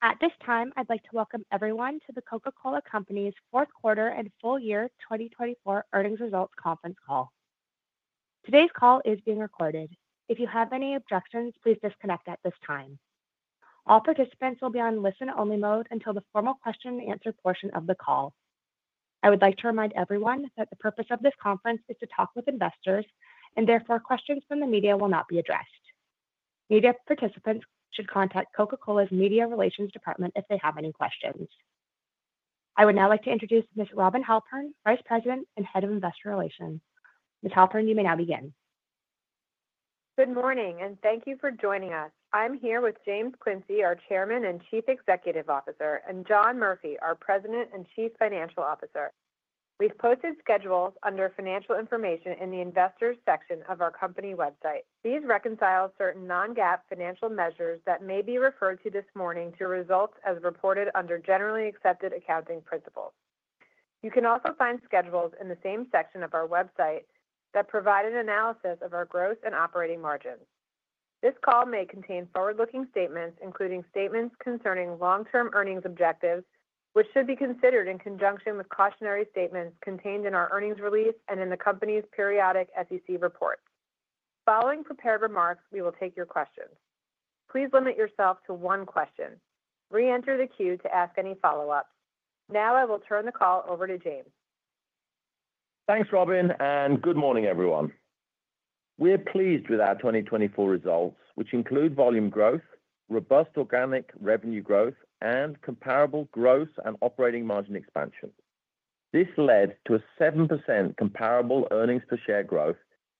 At this time, I'd like to welcome everyone to the Coca-Cola Company's fourth quarter and full year 2024 earnings results conference call. Today's call is being recorded. If you have any objections, please disconnect at this time. All participants will be on listen-only mode until the formal question-and-answer portion of the call. I would like to remind everyone that the purpose of this conference is to talk with investors, and therefore questions from the media will not be addressed. Media participants should contact Coca-Cola's Media Relations Department if they have any questions. I would now like to introduce Ms. Robin Halpern, Vice President and Head of Investor Relations. Ms. Halpern, you may now begin. Good morning, and thank you for joining us. I'm here with James Quincey, our Chairman and Chief Executive Officer, and John Murphy, our President and Chief Financial Officer. We've posted schedules under Financial Information in the Investors section of our company website. These reconcile certain non-GAAP financial measures that may be referred to this morning to results as reported under Generally Accepted Accounting Principles. You can also find schedules in the same section of our website that provide an analysis of our gross and operating margins. This call may contain forward-looking statements, including statements concerning long-term earnings objectives, which should be considered in conjunction with cautionary statements contained in our earnings release and in the company's periodic SEC reports. Following prepared remarks, we will take your questions. Please limit yourself to one question. Re-enter the queue to ask any follow-ups. Now I will turn the call over to James. Thanks, Robin, and good morning, everyone. We're pleased with our 2024 results, which include volume growth, robust organic revenue growth, and comparable gross and operating margin expansion. This led to a 7% comparable earnings per share growth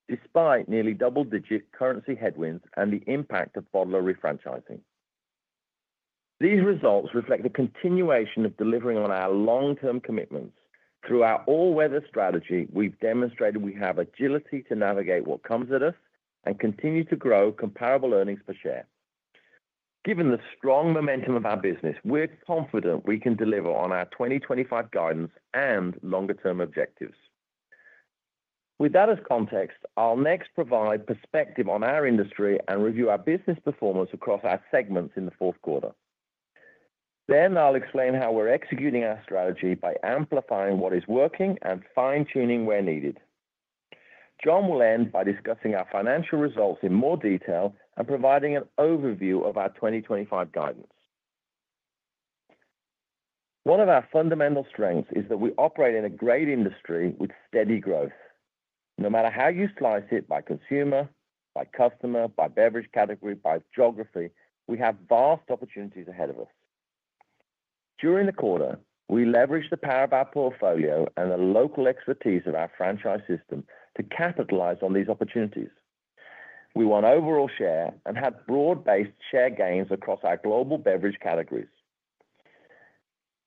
despite nearly double-digit currency headwinds and the impact of bottler refranchising. These results reflect the continuation of delivering on our long-term commitments. Through our all-weather strategy, we've demonstrated we have agility to navigate what comes at us and continue to grow comparable earnings per share. Given the strong momentum of our business, we're confident we can deliver on our 2025 guidance and longer-term objectives. With that as context, I'll next provide perspective on our industry and review our business performance across our segments in the fourth quarter. Then I'll explain how we're executing our strategy by amplifying what is working and fine-tuning where needed. John will end by discussing our financial results in more detail and providing an overview of our 2025 guidance. One of our fundamental strengths is that we operate in a great industry with steady growth. No matter how you slice it, by consumer, by customer, by beverage category, by geography, we have vast opportunities ahead of us. During the quarter, we leveraged the power of our portfolio and the local expertise of our franchise system to capitalize on these opportunities. We won overall share and had broad-based share gains across our global beverage categories.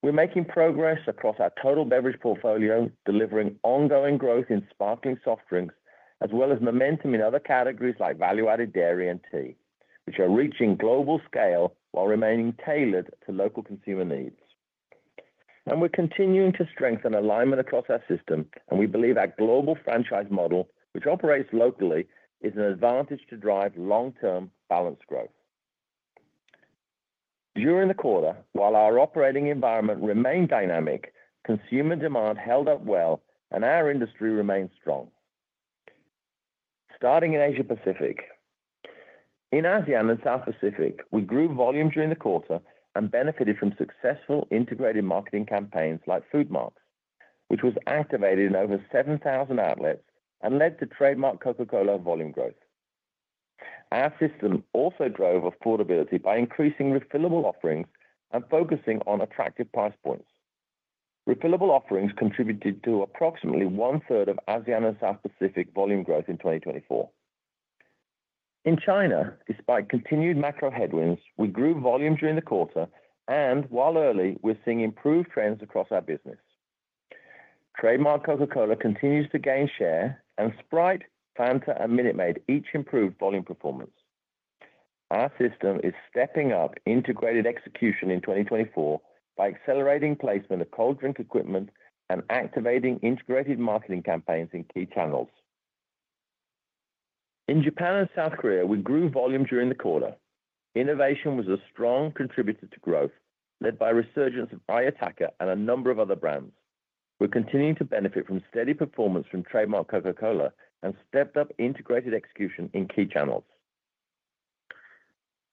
We're making progress across our total beverage portfolio, delivering ongoing growth in sparkling soft drinks as well as momentum in other categories like value-added dairy and tea, which are reaching global scale while remaining tailored to local consumer needs. And we're continuing to strengthen alignment across our system, and we believe our global franchise model, which operates locally, is an advantage to drive long-term balanced growth. During the quarter, while our operating environment remained dynamic, consumer demand held up well, and our industry remained strong. Starting in Asia Pacific, in ASEAN and South Pacific, we grew volume during the quarter and benefited from successful integrated marketing campaigns like Foodmarks, which was activated in over 7,000 outlets and led to trademark Coca-Cola volume growth. Our system also drove affordability by increasing refillable offerings and focusing on attractive price points. Refillable offerings contributed to approximately one-third of ASEAN and South Pacific volume growth in 2024. In China, despite continued macro headwinds, we grew volume during the quarter, and while early, we're seeing improved trends across our business. Trademark Coca-Cola continues to gain share, and Sprite, Fanta, and Minute Maid each improved volume performance. Our system is stepping up integrated execution in 2024 by accelerating placement of cold drink equipment and activating integrated marketing campaigns in key channels. In Japan and South Korea, we grew volume during the quarter. Innovation was a strong contributor to growth, led by a resurgence of Ayataka and a number of other brands. We're continuing to benefit from steady performance from trademark Coca-Cola and stepped-up integrated execution in key channels.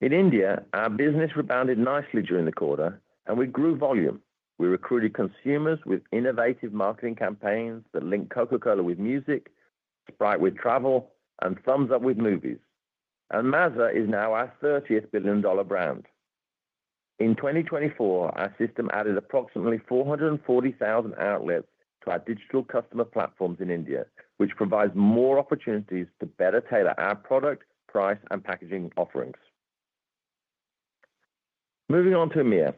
In India, our business rebounded nicely during the quarter, and we grew volume. We recruited consumers with innovative marketing campaigns that link Coca-Cola with music, Sprite with travel, and Thums Up with movies, and Maaza is now our $30 billion brand. In 2024, our system added approximately 440,000 outlets to our digital customer platforms in India, which provides more opportunities to better tailor our product, price, and packaging offerings. Moving on to EMEA.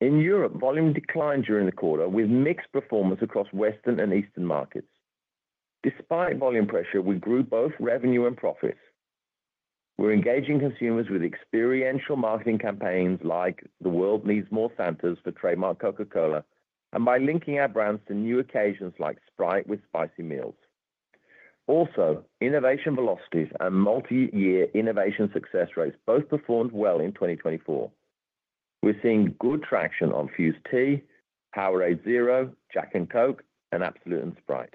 In Europe, volume declined during the quarter with mixed performance across Western and Eastern markets. Despite volume pressure, we grew both revenue and profits. We're engaging consumers with experiential marketing campaigns like "The World Needs More Santas" for trademark Coca-Cola and by linking our brands to new occasions like Sprite with spicy meals. Also, innovation velocities and multi-year innovation success rates both performed well in 2024. We're seeing good traction on Fuze Tea, Powerade Zero, Jack and Coke, and Absolut and Sprite.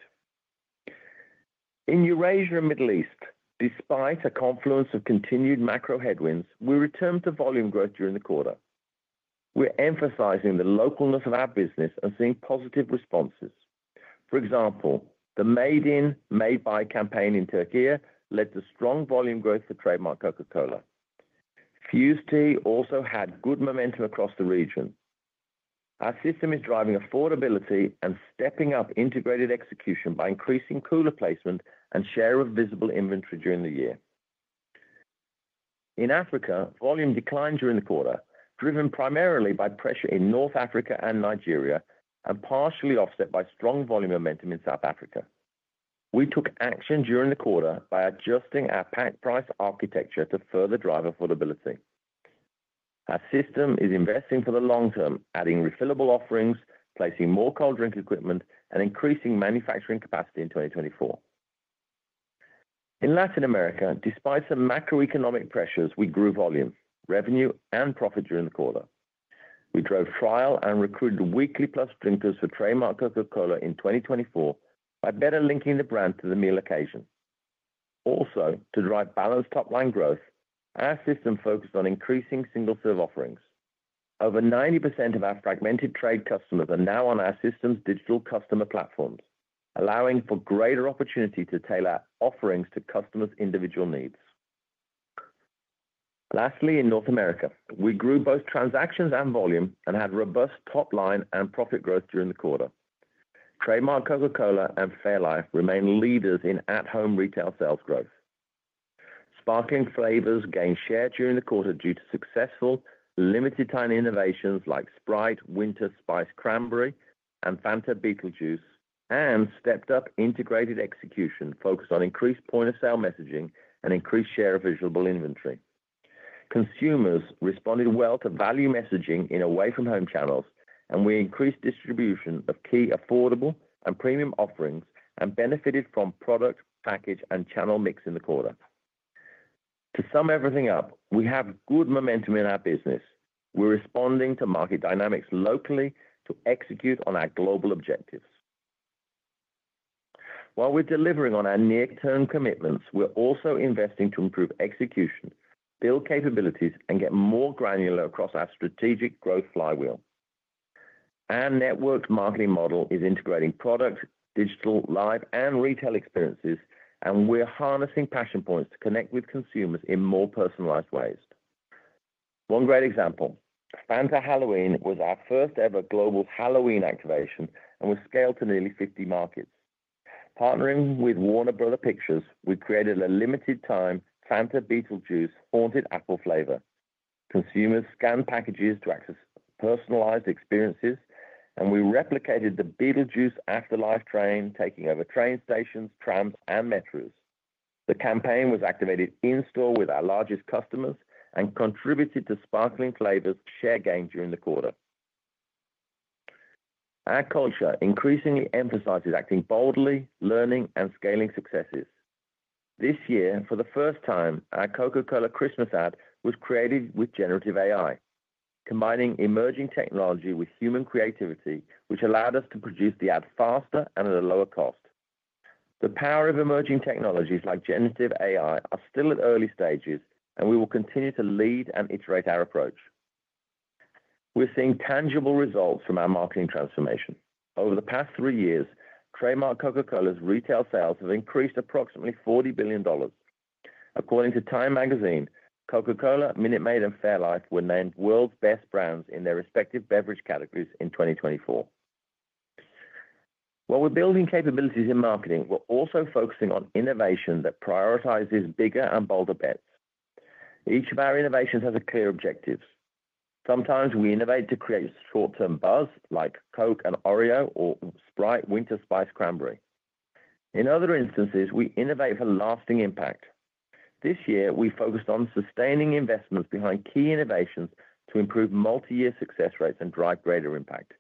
In Eurasia and the Middle East, despite a confluence of continued macro headwinds, we returned to volume growth during the quarter. We're emphasizing the localness of our business and seeing positive responses. For example, the Made In, Made By campaign in Türkiye led to strong volume growth for trademark Coca-Cola. Fuze Tea also had good momentum across the region. Our system is driving affordability and stepping up integrated execution by increasing cooler placement and share of visible inventory during the year. In Africa, volume declined during the quarter, driven primarily by pressure in North Africa and Nigeria and partially offset by strong volume momentum in South Africa. We took action during the quarter by adjusting our pack price architecture to further drive affordability. Our system is investing for the long term, adding refillable offerings, placing more cold drink equipment, and increasing manufacturing capacity in 2024. In Latin America, despite some macroeconomic pressures, we grew volume, revenue, and profit during the quarter. We drove trial and recruited weekly plus drinkers for Trademark Coca-Cola in 2024 by better linking the brand to the meal occasion. Also, to drive balanced top-line growth, our system focused on increasing single-serve offerings. Over 90% of our fragmented trade customers are now on our system's digital customer platforms, allowing for greater opportunity to tailor offerings to customers' individual needs. Lastly, in North America, we grew both transactions and volume and had robust top-line and profit growth during the quarter. Trademark Coca-Cola and Fairlife remain leaders in at-home retail sales growth. Sparkling flavors gained share during the quarter due to successful limited-time innovations like Sprite Winter Spice Cranberry and Fanta Beetlejuice, and stepped-up integrated execution focused on increased point-of-sale messaging and increased share of visible inventory. Consumers responded well to value messaging in away-from-home channels, and we increased distribution of key affordable and premium offerings and benefited from product, package, and channel mix in the quarter. To sum everything up, we have good momentum in our business. We're responding to market dynamics locally to execute on our global objectives. While we're delivering on our near-term commitments, we're also investing to improve execution, build capabilities, and get more granular across our strategic growth flywheel. Our networked marketing model is integrating product, digital, live, and retail experiences, and we're harnessing passion points to connect with consumers in more personalized ways. One great example, Fanta Halloween was our first-ever global Halloween activation and was scaled to nearly 50 markets. Partnering with Warner Bros. Pictures, we created a limited-time Fanta Beetlejuice haunted apple flavor. Consumers scanned packages to access personalized experiences, and we replicated the Beetlejuice afterlife train, taking over train stations, trams, and metros. The campaign was activated in-store with our largest customers and contributed to sparkling flavors' share gain during the quarter. Our culture increasingly emphasizes acting boldly, learning, and scaling successes. This year, for the first time, our Coca-Cola Christmas ad was created with generative AI, combining emerging technology with human creativity, which allowed us to produce the ad faster and at a lower cost. The power of emerging technologies like generative AI is still at early stages, and we will continue to lead and iterate our approach. We're seeing tangible results from our marketing transformation. Over the past three years, trademark Coca-Cola's retail sales have increased approximately $40 billion. According to TIME magazine, Coca-Cola, Minute Maid, and fairlife were named world's best brands in their respective beverage categories in 2024. While we're building capabilities in marketing, we're also focusing on innovation that prioritizes bigger and bolder bets. Each of our innovations has clear objectives. Sometimes we innovate to create a short-term buzz like Coke and Oreo or Sprite Winter Spice Cranberry. In other instances, we innovate for lasting impact. This year, we focused on sustaining investments behind key innovations to improve multi-year success rates and drive greater impact.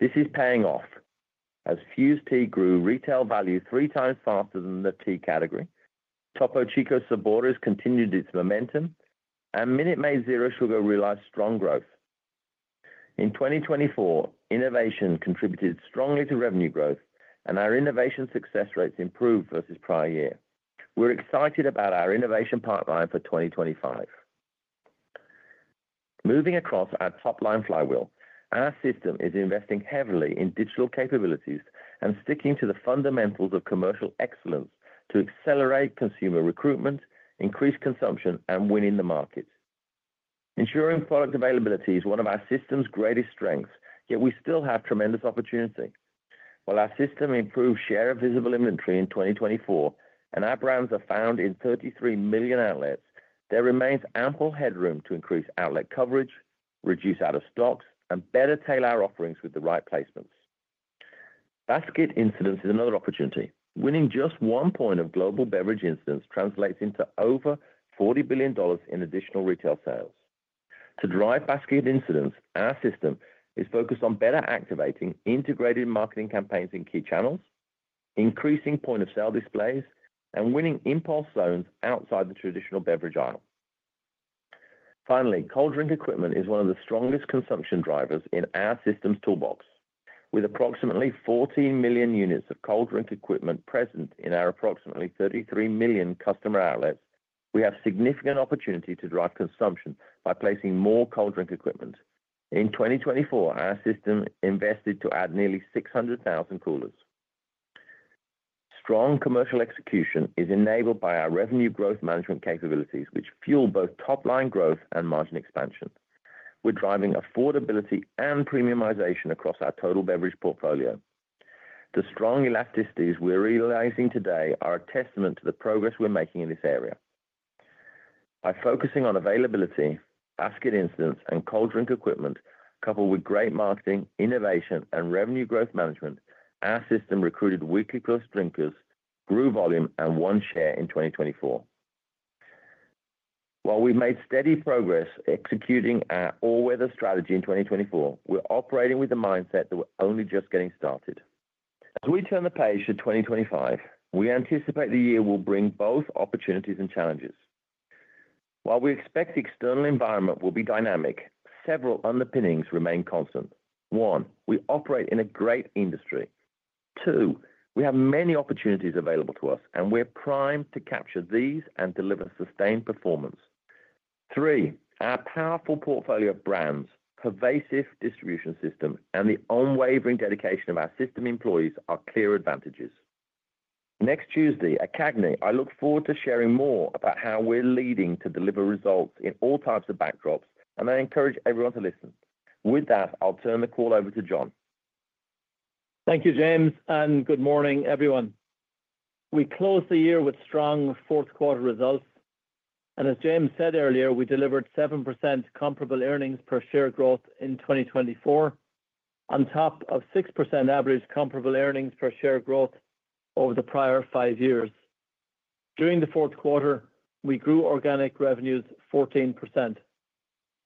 This is paying off. As Fuze Tea grew, retail value three times faster than the tea category. Topo Chico Sabores continued its momentum, and Minute Maid Zero Sugar realized strong growth. In 2024, innovation contributed strongly to revenue growth, and our innovation success rates improved versus prior year. We're excited about our innovation pipeline for 2025. Moving across our top-line flywheel, our system is investing heavily in digital capabilities and sticking to the fundamentals of commercial excellence to accelerate consumer recruitment, increase consumption, and win in the market. Ensuring product availability is one of our system's greatest strengths, yet we still have tremendous opportunity. While our system improves share of visible inventory in 2024 and our brands are found in 33 million outlets, there remains ample headroom to increase outlet coverage, reduce out-of-stocks, and better tailor our offerings with the right placements. Basket incidence is another opportunity. Winning just one point of global beverage incidence translates into over $40 billion in additional retail sales. To drive basket incidence, our system is focused on better activating integrated marketing campaigns in key channels, increasing point-of-sale displays, and winning impulse zones outside the traditional beverage aisle. Finally, cold drink equipment is one of the strongest consumption drivers in our system's toolbox. With approximately 14 million units of cold drink equipment present in our approximately 33 million customer outlets, we have significant opportunity to drive consumption by placing more cold drink equipment. In 2024, our system invested to add nearly 600,000 coolers. Strong commercial execution is enabled by our revenue growth management capabilities, which fuel both top-line growth and margin expansion. We're driving affordability and premiumization across our total beverage portfolio. The strong elasticities we're realizing today are a testament to the progress we're making in this area. By focusing on availability, basket incidence, and cold drink equipment, coupled with great marketing, innovation, and revenue growth management, our system recruited weekly plus drinkers, grew volume, and won share in 2024. While we've made steady progress executing our all-weather strategy in 2024, we're operating with the mindset that we're only just getting started. As we turn the page to 2025, we anticipate the year will bring both opportunities and challenges. While we expect the external environment will be dynamic, several underpinnings remain constant. One, we operate in a great industry. Two, we have many opportunities available to us, and we're primed to capture these and deliver sustained performance. Three, our powerful portfolio of brands, pervasive distribution system, and the unwavering dedication of our system employees are clear advantages. Next Tuesday at CAGNY, I look forward to sharing more about how we're leading to deliver results in all types of backdrops, and I encourage everyone to listen. With that, I'll turn the call over to John. Thank you, James, and good morning, everyone. We closed the year with strong fourth-quarter results, and as James said earlier, we delivered 7% comparable earnings per share growth in 2024, on top of 6% average comparable earnings per share growth over the prior five years. During the fourth quarter, we grew organic revenues 14%.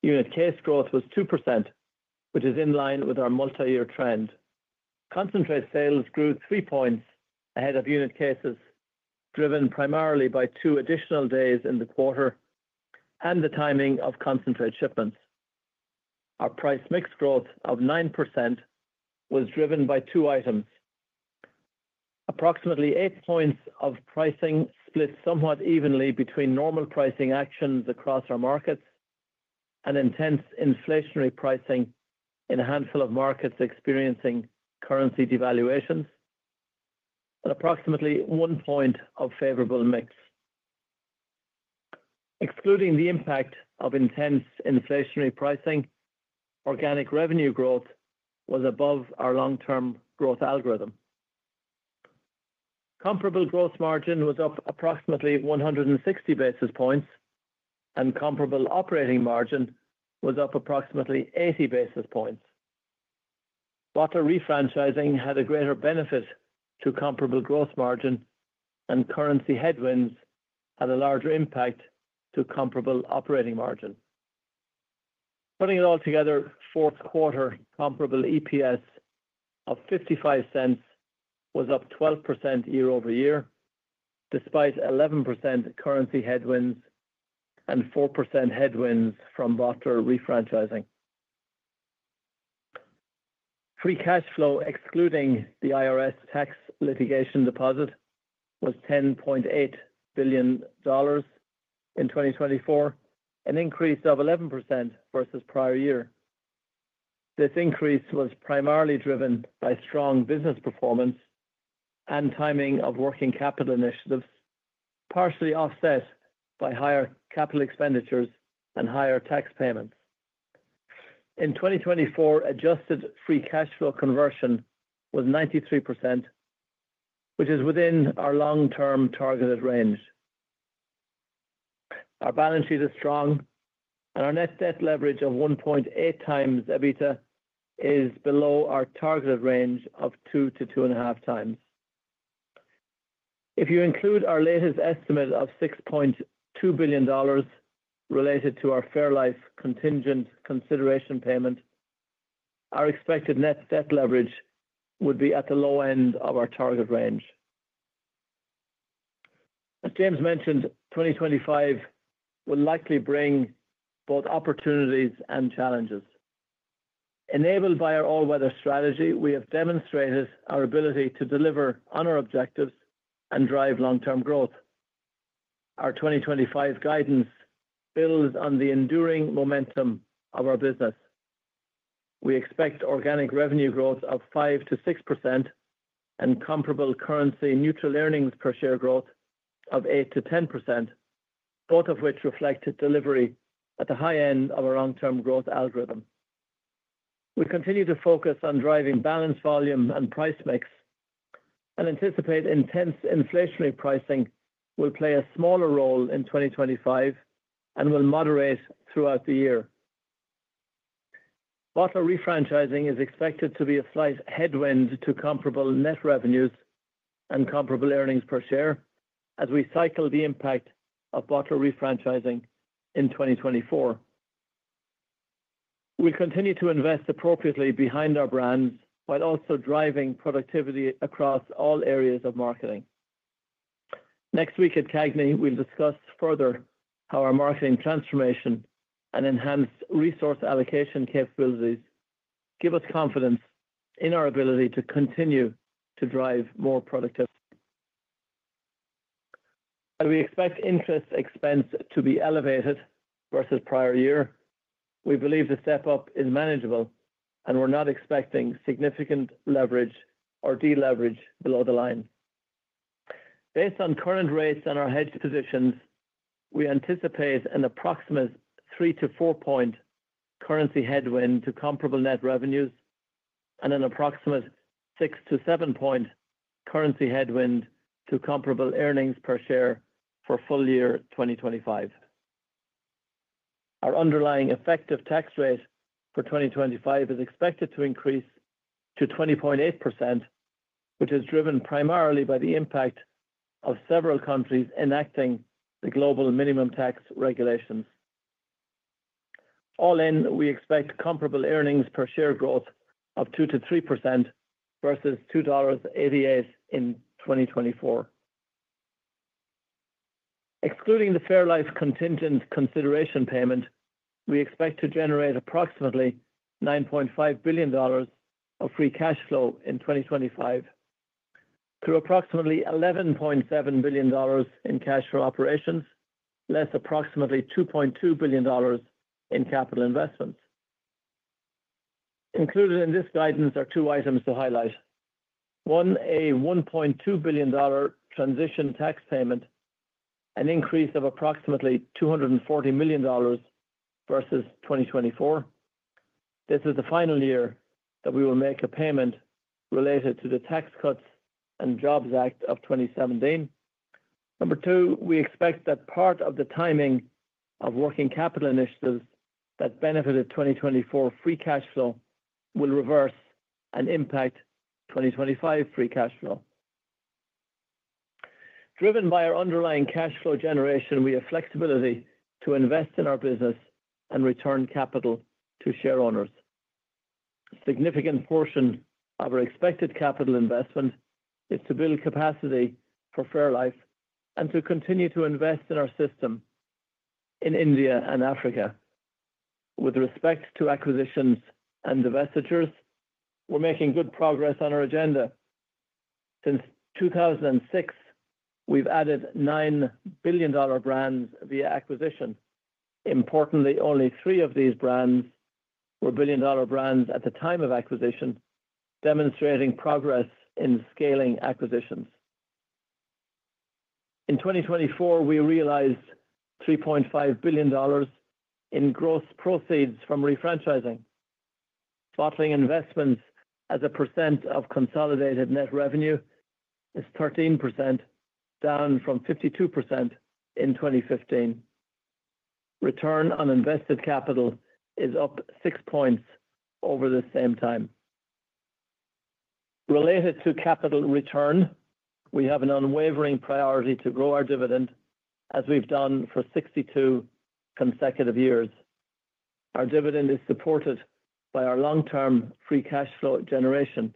Unit case growth was 2%, which is in line with our multi-year trend. Concentrate sales grew three points ahead of unit cases, driven primarily by two additional days in the quarter and the timing of concentrate shipments. Our price mix growth of 9% was driven by two items. Approximately eight points of pricing split somewhat evenly between normal pricing actions across our markets and intense inflationary pricing in a handful of markets experiencing currency devaluations, and approximately one point of favorable mix. Excluding the impact of intense inflationary pricing, organic revenue growth was above our long-term growth algorithm. Comparable gross margin was up approximately 160 basis points, and comparable operating margin was up approximately 80 basis points. Bottler refranchising had a greater benefit to comparable gross margin, and currency headwinds had a larger impact to comparable operating margin. Putting it all together, fourth-quarter comparable EPS of $0.55 was up 12% year over year, despite 11% currency headwinds and 4% headwinds from bottler refranchising. Free cash flow, excluding the IRS tax litigation deposit, was $10.8 billion in 2024, an increase of 11% versus prior year. This increase was primarily driven by strong business performance and timing of working capital initiatives, partially offset by higher capital expenditures and higher tax payments. In 2024, adjusted free cash flow conversion was 93%, which is within our long-term targeted range. Our balance sheet is strong, and our net debt leverage of 1.8 times EBITDA is below our targeted range of 2-2.5 times. If you include our latest estimate of $6.2 billion related to our Fairlife contingent consideration payment, our expected net debt leverage would be at the low end of our target range. As James mentioned, 2025 will likely bring both opportunities and challenges. Enabled by our all-weather strategy, we have demonstrated our ability to deliver on our objectives and drive long-term growth. Our 2025 guidance builds on the enduring momentum of our business. We expect organic revenue growth of 5%-6% and comparable currency neutral earnings per share growth of 8%-10%, both of which reflect delivery at the high end of our long-term growth algorithm. We continue to focus on driving balanced volume and price mix and anticipate intense inflationary pricing will play a smaller role in 2025 and will moderate throughout the year. Bottler refranchising is expected to be a slight headwind to comparable net revenues and comparable earnings per share as we cycle the impact of bottler refranchising in 2024. We continue to invest appropriately behind our brands while also driving productivity across all areas of marketing. Next week at CAGNY, we'll discuss further how our marketing transformation and enhanced resource allocation capabilities give us confidence in our ability to continue to drive more productivity. We expect interest expense to be elevated versus prior year. We believe the step-up is manageable, and we're not expecting significant leverage or de-leverage below the line. Based on current rates and our hedge positions, we anticipate an approximate 3%-4% currency headwind to comparable net revenues and an approximate 6%-7% currency headwind to comparable earnings per share for full year 2025. Our underlying effective tax rate for 2025 is expected to increase to 20.8%, which is driven primarily by the impact of several countries enacting the global minimum tax regulations. All in, we expect comparable earnings per share growth of 2%-3% versus $2.88 in 2024. Excluding the fairlife contingent consideration payment, we expect to generate approximately $9.5 billion of free cash flow in 2025 through approximately $11.7 billion in cash for operations, less approximately $2.2 billion in capital investments. Included in this guidance are two items to highlight. One, a $1.2 billion transition tax payment, an increase of approximately $240 million versus 2024. This is the final year that we will make a payment related to the Tax Cuts and Jobs Act of 2017. Number two, we expect that part of the timing of working capital initiatives that benefited 2024 free cash flow will reverse and impact 2025 free cash flow. Driven by our underlying cash flow generation, we have flexibility to invest in our business and return capital to shareholders. A significant portion of our expected capital investment is to build capacity for fairlife and to continue to invest in our system in India and Africa. With respect to acquisitions and divestitures, we're making good progress on our agenda. Since 2006, we've added $9 billion brands via acquisition. Importantly, only three of these brands were billion-dollar brands at the time of acquisition, demonstrating progress in scaling acquisitions. In 2024, we realized $3.5 billion in gross proceeds from refranchising. Bottling investments as a % of consolidated net revenue is 13%, down from 52% in 2015. Return on invested capital is up six points over the same time. Related to capital return, we have an unwavering priority to grow our dividend, as we've done for 62 consecutive years. Our dividend is supported by our long-term free cash flow generation.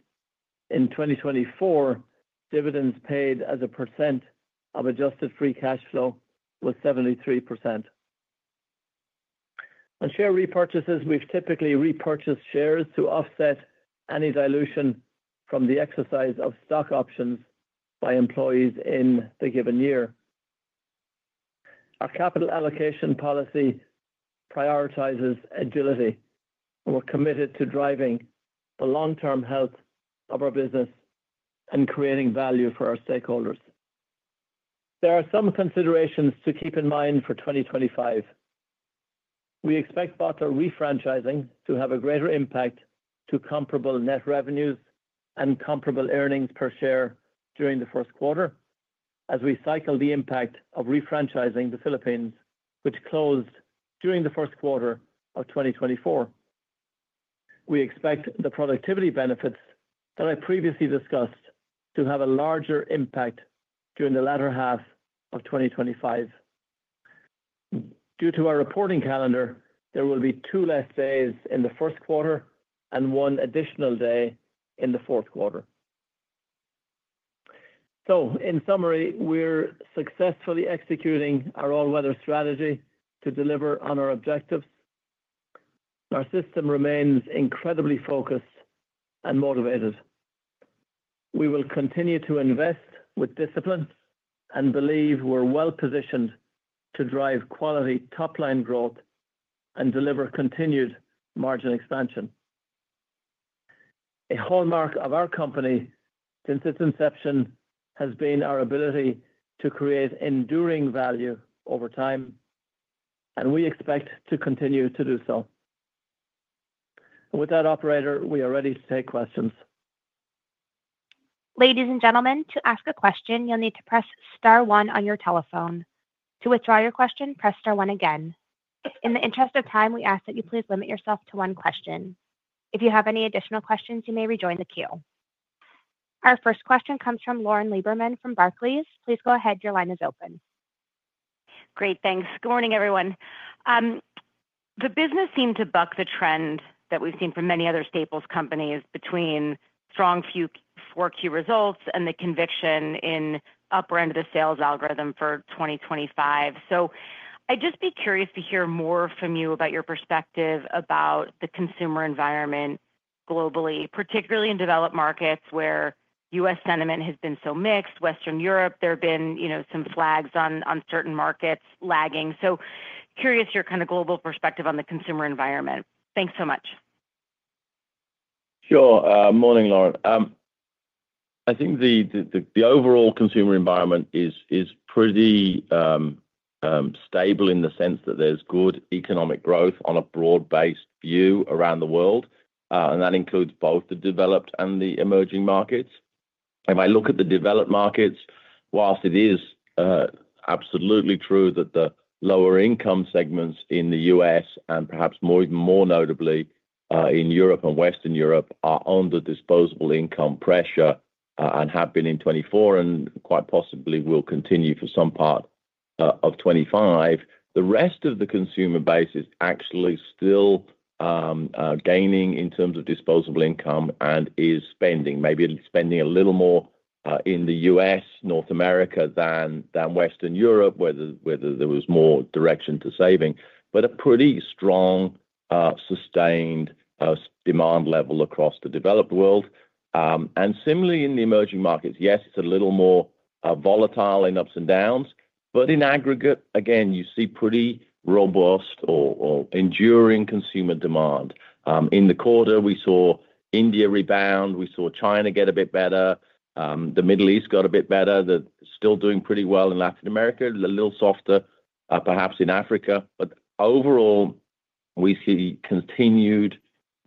In 2024, dividends paid as a % of adjusted free cash flow was 73%. On share repurchases, we've typically repurchased shares to offset any dilution from the exercise of stock options by employees in the given year. Our capital allocation policy prioritizes agility, and we're committed to driving the long-term health of our business and creating value for our stakeholders. There are some considerations to keep in mind for 2025. We expect bottler refranchising to have a greater impact to comparable net revenues and comparable earnings per share during the first quarter, as we cycle the impact of refranchising the Philippines, which closed during the first quarter of 2024. We expect the productivity benefits that I previously discussed to have a larger impact during the latter half of 2025. Due to our reporting calendar, there will be two less days in the first quarter and one additional day in the fourth quarter. So, in summary, we're successfully executing our all-weather strategy to deliver on our objectives. Our system remains incredibly focused and motivated. We will continue to invest with discipline and believe we're well positioned to drive quality top-line growth and deliver continued margin expansion. A hallmark of our company since its inception has been our ability to create enduring value over time, and we expect to continue to do so. With that, Operator, we are ready to take questions. Ladies and gentlemen, to ask a question, you'll need to press Star 1 on your telephone. To withdraw your question, press Star 1 again. In the interest of time, we ask that you please limit yourself to one question. If you have any additional questions, you may rejoin the queue. Our first question comes from Lauren Lieberman from Barclays. Please go ahead. Your line is open. Great. Thanks. Good morning, everyone. The business seemed to buck the trend that we've seen from many other staples companies between strong 4Q results and the conviction in the upper end of the sales algorithm for 2025. So I'd just be curious to hear more from you about your perspective about the consumer environment globally, particularly in developed markets where U.S. sentiment has been so mixed. In Western Europe, there have been some flags on certain markets lagging. So curious your kind of global perspective on the consumer environment. Thanks so much. Sure. Morning, Lauren. I think the overall consumer environment is pretty stable in the sense that there's good economic growth on a broad-based view around the world, and that includes both the developed and the emerging markets. If I look at the developed markets, whilst it is absolutely true that the lower-income segments in the U.S. And perhaps even more notably in Europe and Western Europe are under disposable income pressure and have been in 2024 and quite possibly will continue for some part of 2025, the rest of the consumer base is actually still gaining in terms of disposable income and is spending. Maybe it's spending a little more in the U.S., North America than Western Europe, whether there was more direction to saving, but a pretty strong, sustained demand level across the developed world. And similarly, in the emerging markets, yes, it's a little more volatile in ups and downs, but in aggregate, again, you see pretty robust or enduring consumer demand. In the quarter, we saw India rebound. We saw China get a bit better. The Middle East got a bit better. They're still doing pretty well in Latin America, a little softer, perhaps in Africa. But overall, we see continued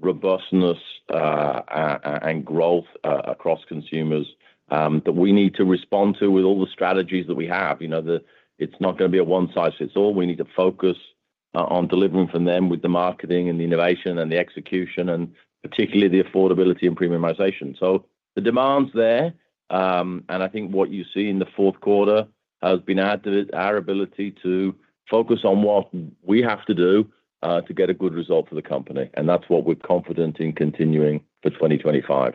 robustness and growth across consumers that we need to respond to with all the strategies that we have. It's not going to be a one-size-fits-all. We need to focus on delivering for them with the marketing and the innovation and the execution, and particularly the affordability and premiumization. So the demand's there, and I think what you see in the fourth quarter has been added to our ability to focus on what we have to do to get a good result for the company. And that's what we're confident in continuing for 2025.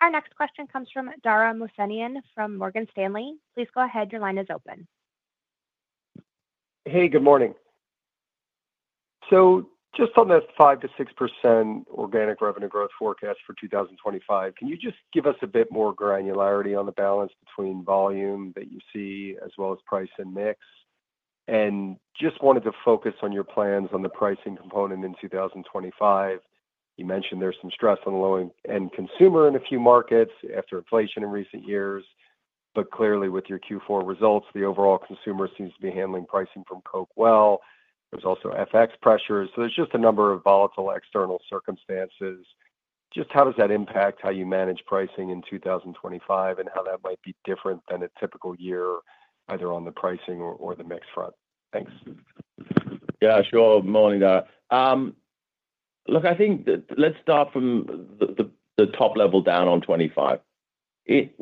Our Next question comes from Dara Mohsenian from Morgan Stanley. Please go ahead. Your line is open. Hey, good morning. So just on that 5%-6% organic revenue growth forecast for 2025, can you just give us a bit more granularity on the balance between volume that you see as well as price and mix? And just wanted to focus on your plans on the pricing component in 2025. You mentioned there's some stress on the low-end consumer in a few markets after inflation in recent years, but clearly with your Q4 results, the overall consumer seems to be handling pricing from Coke well. There's also FX pressures. So there's just a number of volatile external circumstances. Just how does that impact how you manage pricing in 2025 and how that might be different than a typical year, either on the pricing or the mix front? Thanks. Yeah, sure. Morning, Dara. Look, I think let's start from the top level down on '25.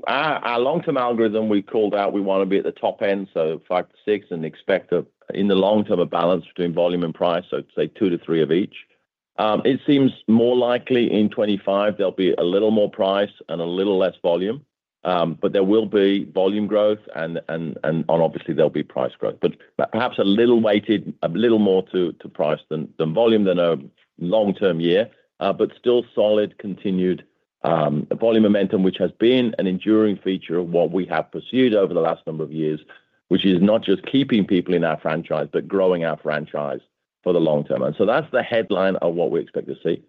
Our long-term algorithm, we called out we want to be at the top end, so 5%-6%, and expect in the long term a balance between volume and price, so say 2%-3% of each. It seems more likely in 2025 there'll be a little more price and a little less volume, but there will be volume growth, and obviously there'll be price growth, but perhaps a little weighted, a little more to price than volume than a long-term year, but still solid continued volume momentum, which has been an enduring feature of what we have pursued over the last number of years, which is not just keeping people in our franchise, but growing our franchise for the long term, and so that's the headline of what we expect to see.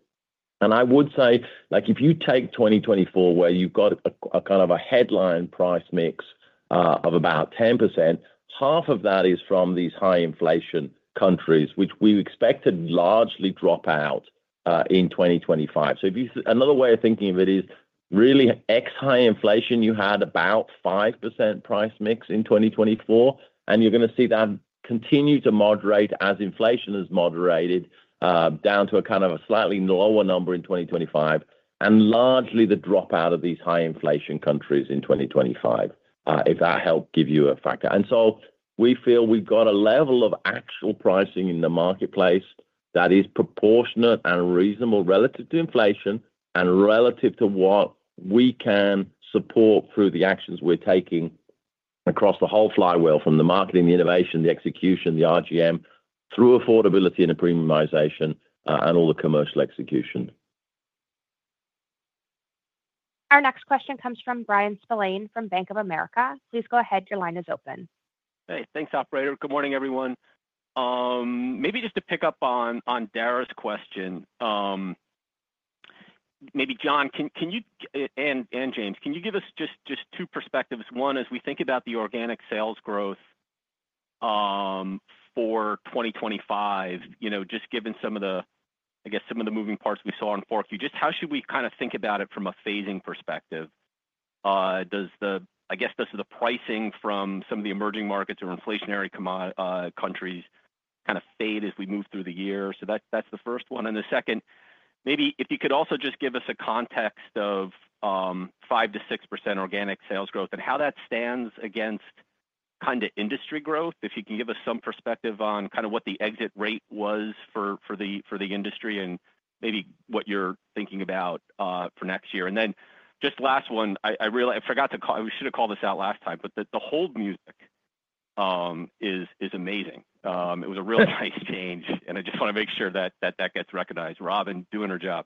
I would say, if you take 2024 where you've got a kind of a headline price mix of about 10%, half of that is from these high-inflation countries, which we expected largely drop out in 2025. So another way of thinking of it is really ex-high inflation, you had about 5% price mix in 2024, and you're going to see that continue to moderate as inflation is moderated down to a kind of a slightly lower number in 2025, and largely the drop out of these high-inflation countries in 2025, if that helped give you a factor. And so we feel we've got a level of actual pricing in the marketplace that is proportionate and reasonable relative to inflation and relative to what we can support through the actions we're taking across the whole flywheel from the marketing, the innovation, the execution, the RGM, through affordability and premiumization and all the commercial execution. Our next question comes from Bryan Spillane from Bank of America. Please go ahead. Your line is open. Hey, thanks, Operator. Good morning, everyone. Maybe just to pick up on Dara's question, maybe John, and James, can you give us just two perspectives? One, as we think about the organic sales growth for 2025, just given some of the, I guess, some of the moving parts we saw in four-Q, just how should we kind of think about it from a phasing perspective? I guess does the pricing from some of the emerging markets or inflationary countries kind of fade as we move through the year? So that's the first one. And the second, maybe if you could also just give us a context of 5%-6% organic sales growth and how that stands against kind of industry growth, if you can give us some perspective on kind of what the exit rate was for the industry and maybe what you're thinking about for next year. And then just last one, I forgot to call, we should have called this out last time, but the hold music is amazing. It was a real nice change, and I just want to make sure that that gets recognized. Robin, doing her job.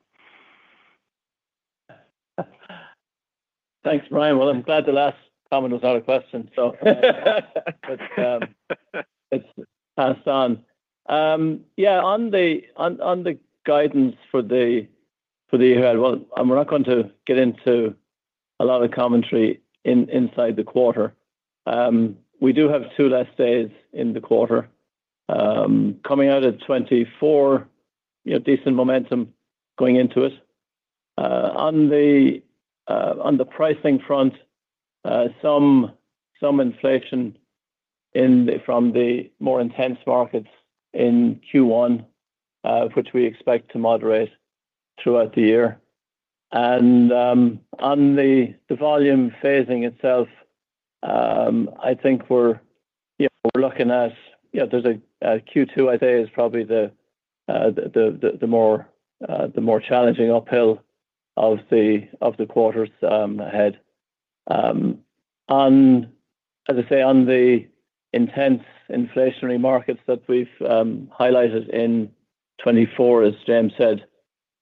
Thanks, Brian. Well, I'm glad the last comment was out of the question, so let's pass on. Yeah, on the guidance for the year ahead, well, we're not going to get into a lot of commentary inside the quarter. We do have two less days in the quarter. Coming out at 2024, decent momentum going into it. On the pricing front, some inflation from the more intense markets in Q1, which we expect to moderate throughout the year. And on the volume phasing itself, I think we're looking at, yeah, there's a Q2, I'd say, is probably the more challenging uphill of the quarters ahead. As I say, on the intense inflationary markets that we've highlighted in 2024, as James said,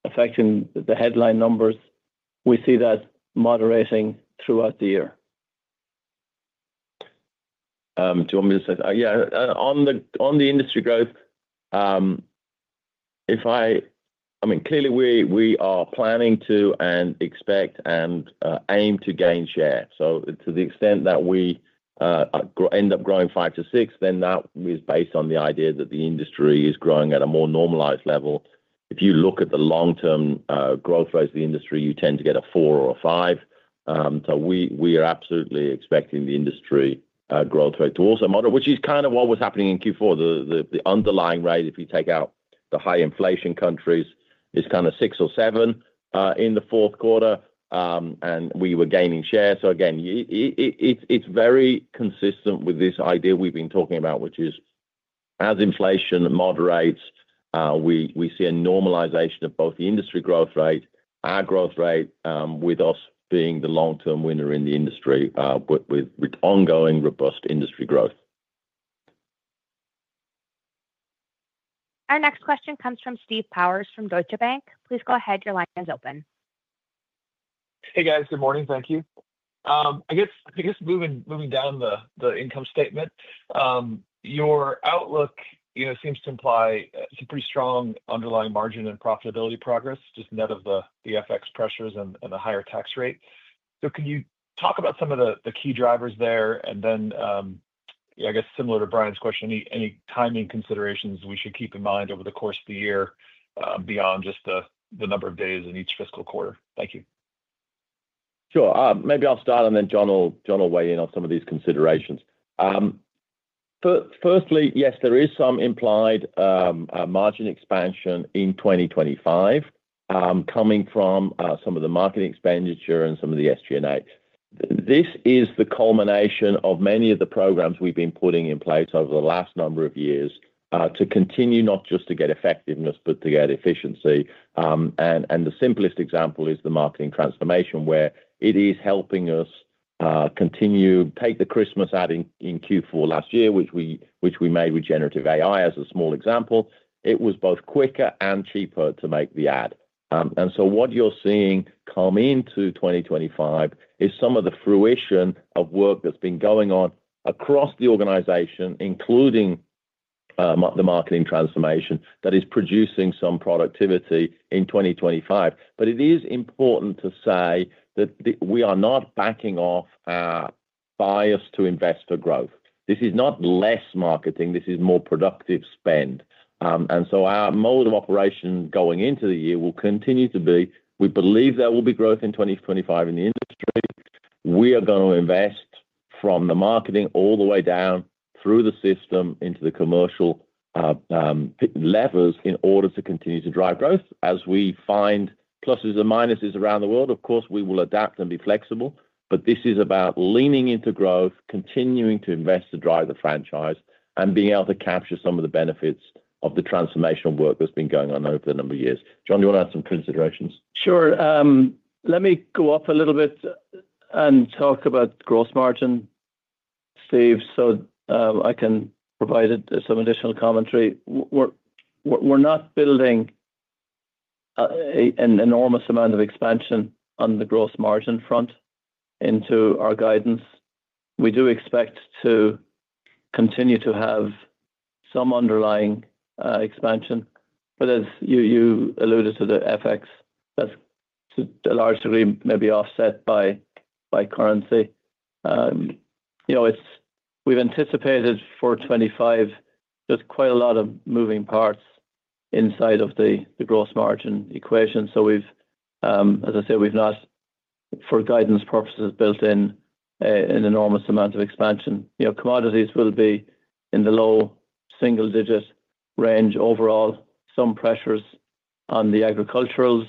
affecting the headline numbers, we see that moderating throughout the year. Do you want me to say, yeah, on the industry growth, if I, I mean, clearly we are planning to and expect and aim to gain share. To the extent that we end up growing five to six, then that is based on the idea that the industry is growing at a more normalized level. If you look at the long-term growth rates of the industry, you tend to get a four or a five. We are absolutely expecting the industry growth rate to also moderate, which is kind of what was happening in Q4. The underlying rate, if you take out the high inflation countries, is kind of six or seven in the fourth quarter, and we were gaining share. Again, it's very consistent with this idea we've been talking about, which is as inflation moderates, we see a normalization of both the industry growth rate, our growth rate, with us being the long-term winner in the industry with ongoing robust industry growth. Our next question comes from Steve Powers from Deutsche Bank. Please go ahead. Your line is open. Hey, guys. Good morning. Thank you. I guess moving down the income statement, your outlook seems to imply some pretty strong underlying margin and profitability progress, just net of the FX pressures and the higher tax rate. So can you talk about some of the key drivers there? And then, yeah, I guess similar to Brian's question, any timing considerations we should keep in mind over the course of the year beyond just the number of days in each fiscal quarter? Thank you. Sure. Maybe I'll start, and then John will weigh in on some of these considerations. Firstly, yes, there is some implied margin expansion in 2025 coming from some of the marketing expenditure and some of the SG&A. This is the culmination of many of the programs we've been putting in place over the last number of years to continue not just to get effectiveness, but to get efficiency. And the simplest example is the marketing transformation where it is helping us continue. Take the Christmas ad in Q4 last year, which we made with generative AI as a small example. It was both quicker and cheaper to make the ad. And so what you're seeing come into 2025 is some of the fruition of work that's been going on across the organization, including the marketing transformation that is producing some productivity in 2025. But it is important to say that we are not backing off our bias to investor growth. This is not less marketing. This is more productive spend. Our mode of operation going into the year will continue to be, we believe there will be growth in 2025 in the industry. We are going to invest from the marketing all the way down through the system into the commercial levers in order to continue to drive growth as we find pluses and minuses around the world. Of course, we will adapt and be flexible, but this is about leaning into growth, continuing to invest to drive the franchise, and being able to capture some of the benefits of the transformational work that's been going on over the number of years. John, do you want to add some considerations? Sure. Let me go up a little bit and talk about gross margin, Steve, so I can provide some additional commentary. We're not building an enormous amount of expansion on the gross margin front into our guidance. We do expect to continue to have some underlying expansion, but as you alluded to, the FX, that's to a large degree maybe offset by currency. We've anticipated for 2025 there's quite a lot of moving parts inside of the gross margin equation. So as I say, we've not, for guidance purposes, built in an enormous amount of expansion. Commodities will be in the low single-digit range overall. Some pressures on the agriculturals,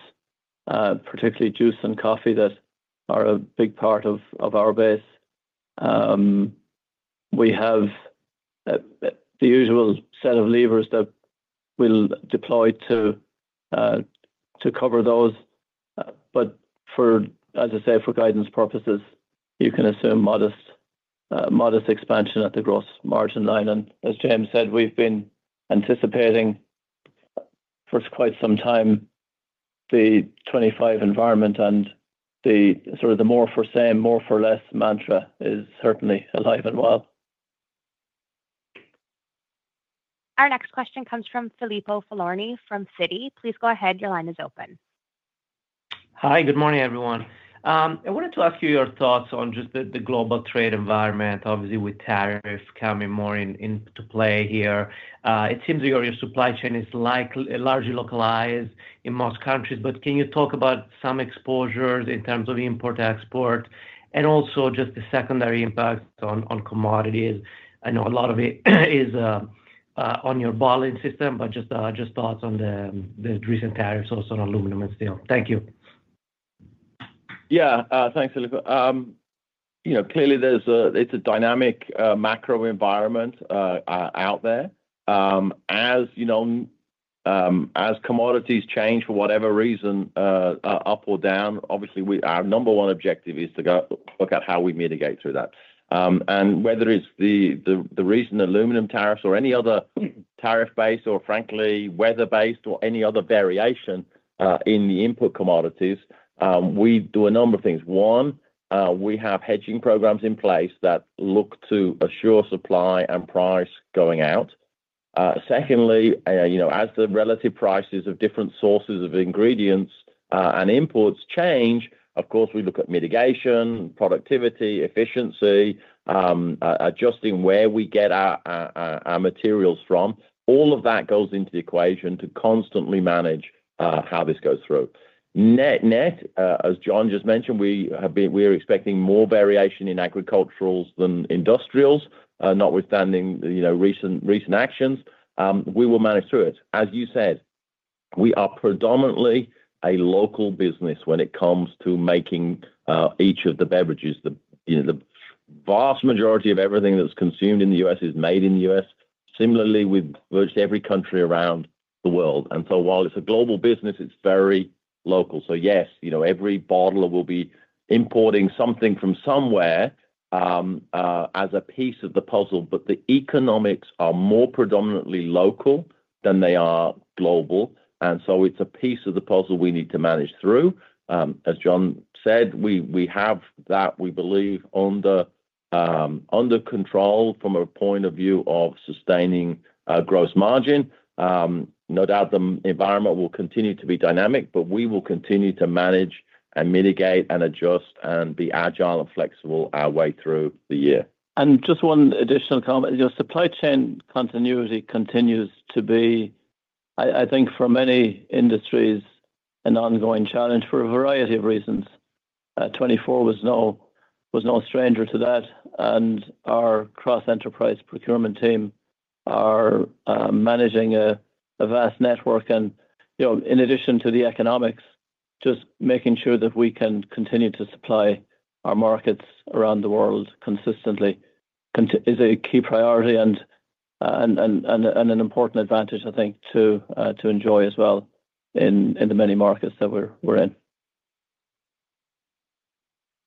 particularly juice and coffee, that are a big part of our base. We have the usual set of levers that we'll deploy to cover those. But as I say, for guidance purposes, you can assume modest expansion at the gross margin line, and as James said, we've been anticipating for quite some time the 2025 environment, and sort of the more for same, more for less mantra is certainly alive and well. Our next question comes from Filippo Falorni from Citi. Please go ahead. Your line is open. Hi, good morning, everyone. I wanted to ask you your thoughts on just the global trade environment, obviously with tariffs coming more into play here. It seems that your supply chain is largely localized in most countries, but can you talk about some exposures in terms of import-export and also just the secondary impacts on commodities? I know a lot of it is on your bottling system, but just thoughts on the recent tariffs also on aluminum and steel. Thank you. Yeah, thanks, Filippo. Clearly, it's a dynamic macro environment out there. As commodities change for whatever reason, up or down, obviously our number one objective is to look at how we mitigate through that. And whether it's the reason aluminum tariffs or any other tariff-based or, frankly, weather-based or any other variation in the input commodities, we do a number of things. One, we have hedging programs in place that look to assure supply and price going out. Secondly, as the relative prices of different sources of ingredients and imports change, of course, we look at mitigation, productivity, efficiency, adjusting where we get our materials from. All of that goes into the equation to constantly manage how this goes through. Net, as John just mentioned, we are expecting more variation in agriculturals than industrials, notwithstanding recent actions. We will manage through it. As you said, we are predominantly a local business when it comes to making each of the beverages. The vast majority of everything that's consumed in the U.S. is made in the U.S., similarly with virtually every country around the world. While it's a global business, it's very local. So yes, every bottler will be importing something from somewhere as a piece of the puzzle, but the economics are more predominantly local than they are global. It's a piece of the puzzle we need to manage through. As John said, we have that, we believe, under control from a point of view of sustaining gross margin. No doubt the environment will continue to be dynamic, but we will continue to manage and mitigate and adjust and be agile and flexible our way through the year. Just one additional comment. Our supply chain continuity continues to be, I think, for many industries, an ongoing challenge for a variety of reasons. 2024 was no stranger to that. Our cross-enterprise procurement team are managing a vast network. And in addition to the economics, just making sure that we can continue to supply our markets around the world consistently is a key priority and an important advantage, I think, to enjoy as well in the many markets that we're in.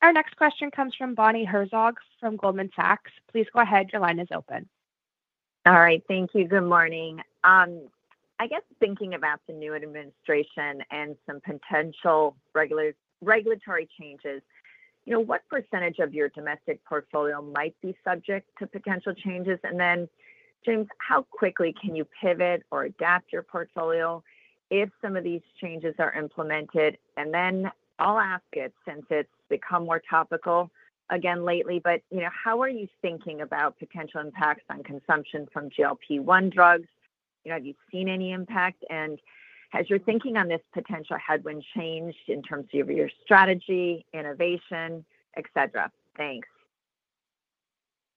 Our next question comes from Bonnie Herzog from Goldman Sachs. Please go ahead. Your line is open. All right. Thank you. Good morning. I guess thinking about the new administration and some potential regulatory changes, what percentage of your domestic portfolio might be subject to potential changes? And then, James, how quickly can you pivot or adapt your portfolio if some of these changes are implemented? And then I'll ask it since it's become more topical again lately, but how are you thinking about potential impacts on consumption from GLP-1 drugs? Have you seen any impact? And as you're thinking on this potential headwind change in terms of your strategy, innovation, etc.? Thanks.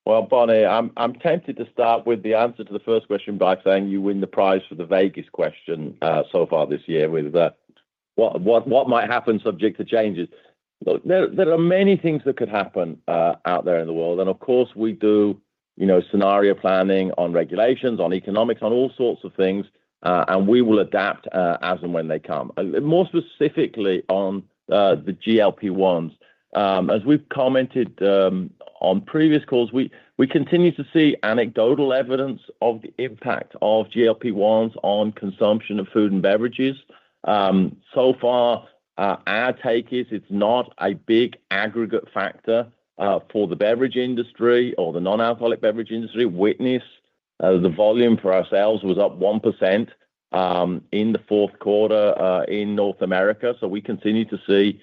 Well, Bonnie, I'm tempted to start with the answer to the first question by saying you win the prize for the vaguest question so far this year with what might happen subject to changes. There are many things that could happen out there in the world. And of course, we do scenario planning on regulations, on economics, on all sorts of things, and we will adapt as and when they come. More specifically on the GLP-1s. As we've commented on previous calls, we continue to see anecdotal evidence of the impact of GLP-1s on consumption of food and beverages. So far, our take is it's not a big aggregate factor for the beverage industry or the non-alcoholic beverage industry. this, the volume for us was up 1% in the fourth quarter in North America. So we continue to see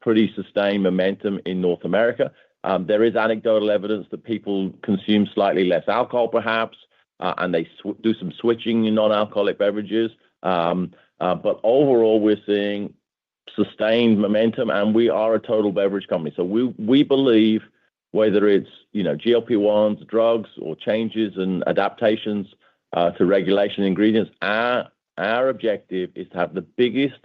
pretty sustained momentum in North America. There is anecdotal evidence that people consume slightly less alcohol, perhaps, and they do some switching in non-alcoholic beverages. But overall, we're seeing sustained momentum, and we are a total beverage company. So we believe whether it's GLP-1s, drugs, or changes and adaptations to regulation ingredients, our objective is to have the biggest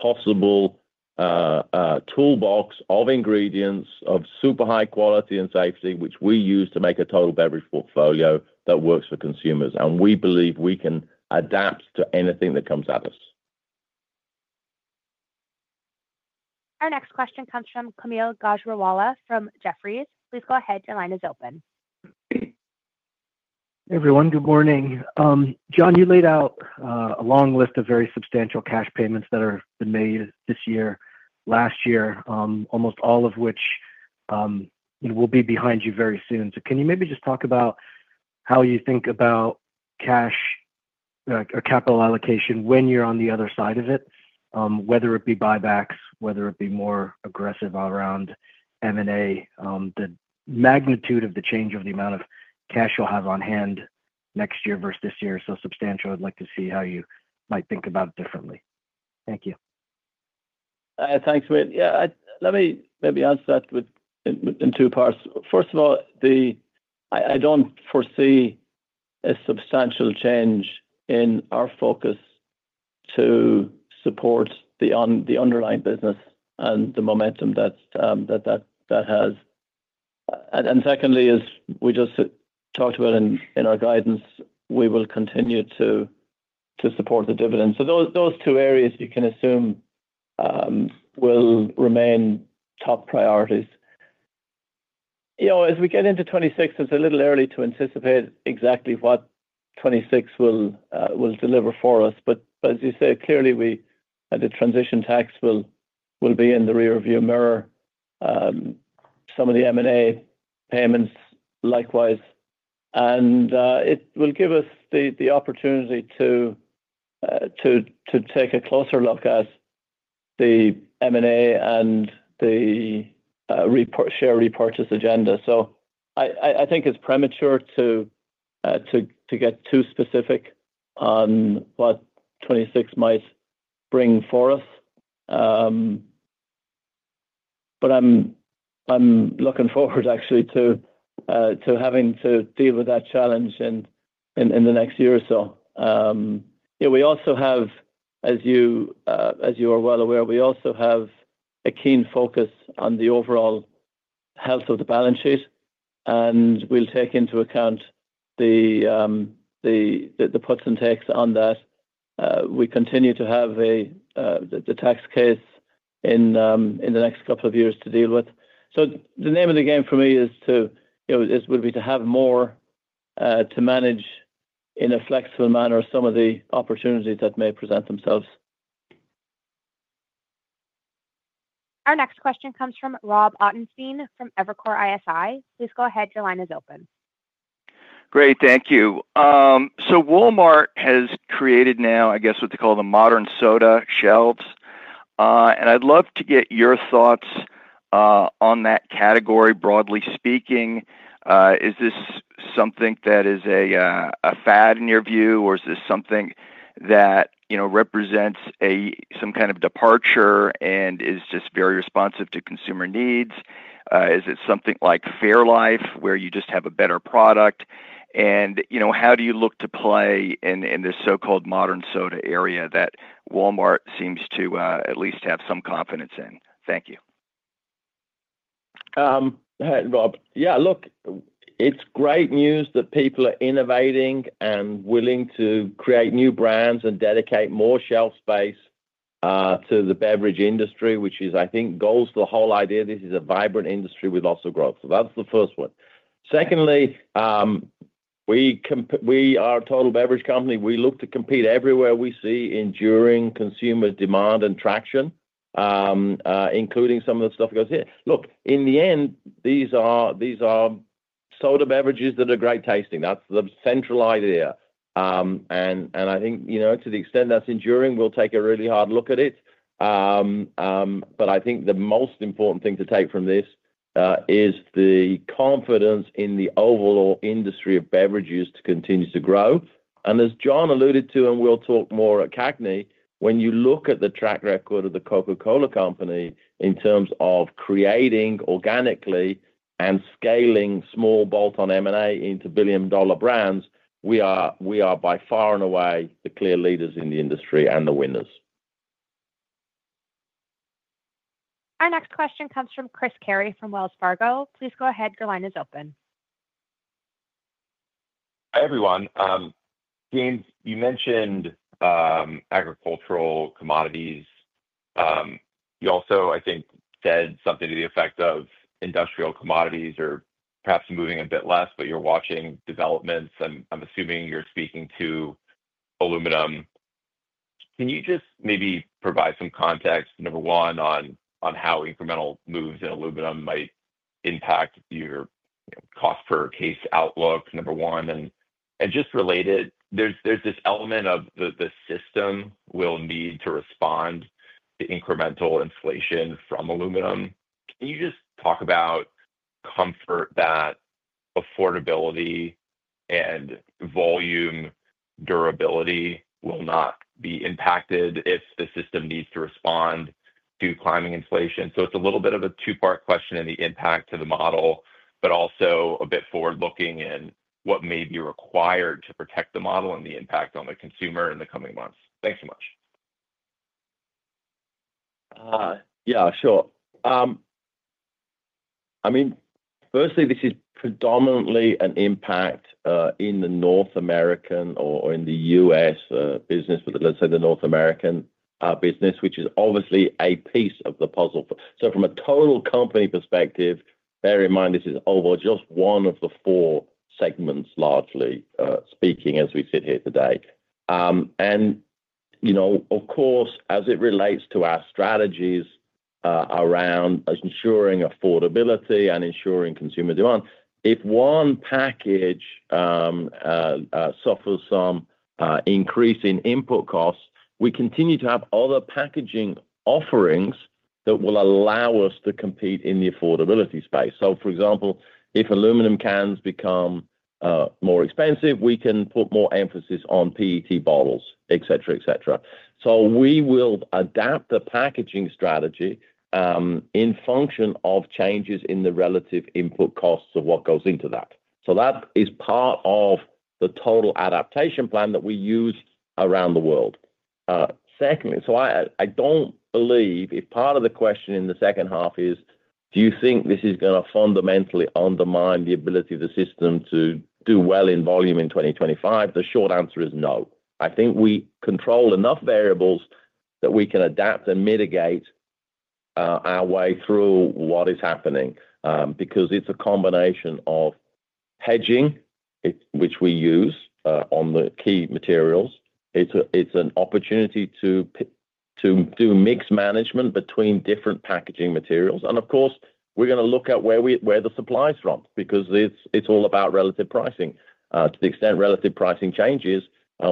possible toolbox of ingredients of super high quality and safety, which we use to make a total beverage portfolio that works for consumers. And we believe we can adapt to anything that comes at us. Our next question comes from Kaumil Gajrawala from Jefferies. Please go ahead. Your line is open. Hey, everyone. Good morning. John, you laid out a long list of very substantial cash payments that have been made this year, last year, almost all of which will be behind you very soon. So can you maybe just talk about how you think about cash or capital allocation when you're on the other side of it, whether it be buybacks, whether it be more aggressive around M&A, the magnitude of the change of the amount of cash you'll have on hand next year versus this year, so substantial. I'd like to see how you might think about it differently. Thank you. Thanks, Mate. Yeah. Let me maybe answer that in two parts. First of all, I don't foresee a substantial change in our focus to support the underlying business and the momentum that that has. And secondly, as we just talked about in our guidance, we will continue to support the dividends. So those two areas you can assume will remain top priorities. As we get into 2026, it's a little early to anticipate exactly what 2026 will deliver for us. But as you say, clearly, the transition tax will be in the rearview mirror, some of the M&A payments likewise. And it will give us the opportunity to take a closer look at the M&A and the share repurchase agenda. So I think it's premature to get too specific on what 2026 might bring for us. But I'm looking forward, actually, to having to deal with that challenge in the next year or so. We also have, as you are well aware, we also have a keen focus on the overall health of the balance sheet. And we'll take into account the puts and takes on that. We continue to have the tax case in the next couple of years to deal with. So the name of the game for me is to have more to manage in a flexible manner some of the opportunities that may present themselves. Our next question comes from Rob Ottenstein from Evercore ISI. Please go ahead. Your line is open. Great. Thank you. So Walmart has created now, I guess, what they call the modern soda shelves. And I'd love to get your thoughts on that category, broadly speaking. Is this something that is a fad in your view, or is this something that represents some kind of departure and is just very responsive to consumer needs? Is it something like Fairlife, where you just have a better product? And how do you look to play in this so-called modern soda era that Walmart seems to at least have some confidence in? Thank you. Hi, Rob. Yeah, look, it's great news that people are innovating and willing to create new brands and dedicate more shelf space to the beverage industry, which is, I think, the goal of the whole idea. This is a vibrant industry with lots of growth. So that's the first one. Secondly, we are a total beverage company. We look to compete everywhere we see enduring consumer demand and traction, including some of the stuff that goes on here. Look, in the end, these are soda beverages that are great tasting. That's the central idea. And I think to the extent that's enduring, we'll take a really hard look at it. But I think the most important thing to take from this is the confidence in the overall industry of beverages to continue to grow. And as John alluded to, and we'll talk more at CAGNY, when you look at the track record of the Coca-Cola Company in terms of creating organically and scaling small bolt-on M&A into billion-dollar brands, we are by far and away the clear leaders in the industry and the winners. Our next question comes from Chris Carey from Wells Fargo. Please go ahead. Your line is open. Hi, everyone. James, you mentioned agricultural commodities. You also, I think, said something to the effect of industrial commodities are perhaps moving a bit less, but you're watching developments. I'm assuming you're speaking to aluminum. Can you just maybe provide some context, number one, on how incremental moves in aluminum might impact your cost per case outlook, number one? And just related, there's this element of the system will need to respond to incremental inflation from aluminum. Can you just talk about comfort that affordability and volume durability will not be impacted if the system needs to respond to climbing inflation? So it's a little bit of a two-part question in the impact to the model, but also a bit forward-looking in what may be required to protect the model and the impact on the consumer in the coming months. Thanks so much. Yeah, sure. I mean, firstly, this is predominantly an impact in the North American or in the U.S. business, let's say the North American business, which is obviously a piece of the puzzle. So from a total company perspective, bear in mind this is just one of the four segments, largely speaking, as we sit here today. And of course, as it relates to our strategies around ensuring affordability and ensuring consumer demand, if one package suffers some increase in input costs, we continue to have other packaging offerings that will allow us to compete in the affordability space. So for example, if aluminum cans become more expensive, we can put more emphasis on PET bottles, etc., etc. So we will adapt the packaging strategy in function of changes in the relative input costs of what goes into that. So that is part of the total adaptation plan that we use around the world. Secondly, so I don't believe if part of the question in the second half is, do you think this is going to fundamentally undermine the ability of the system to do well in volume in 2025? The short answer is no. I think we control enough variables that we can adapt and mitigate our way through what is happening because it's a combination of hedging, which we use on the key materials. It's an opportunity to do mix management between different packaging materials. And of course, we're going to look at where the supply is from because it's all about relative pricing. To the extent relative pricing changes,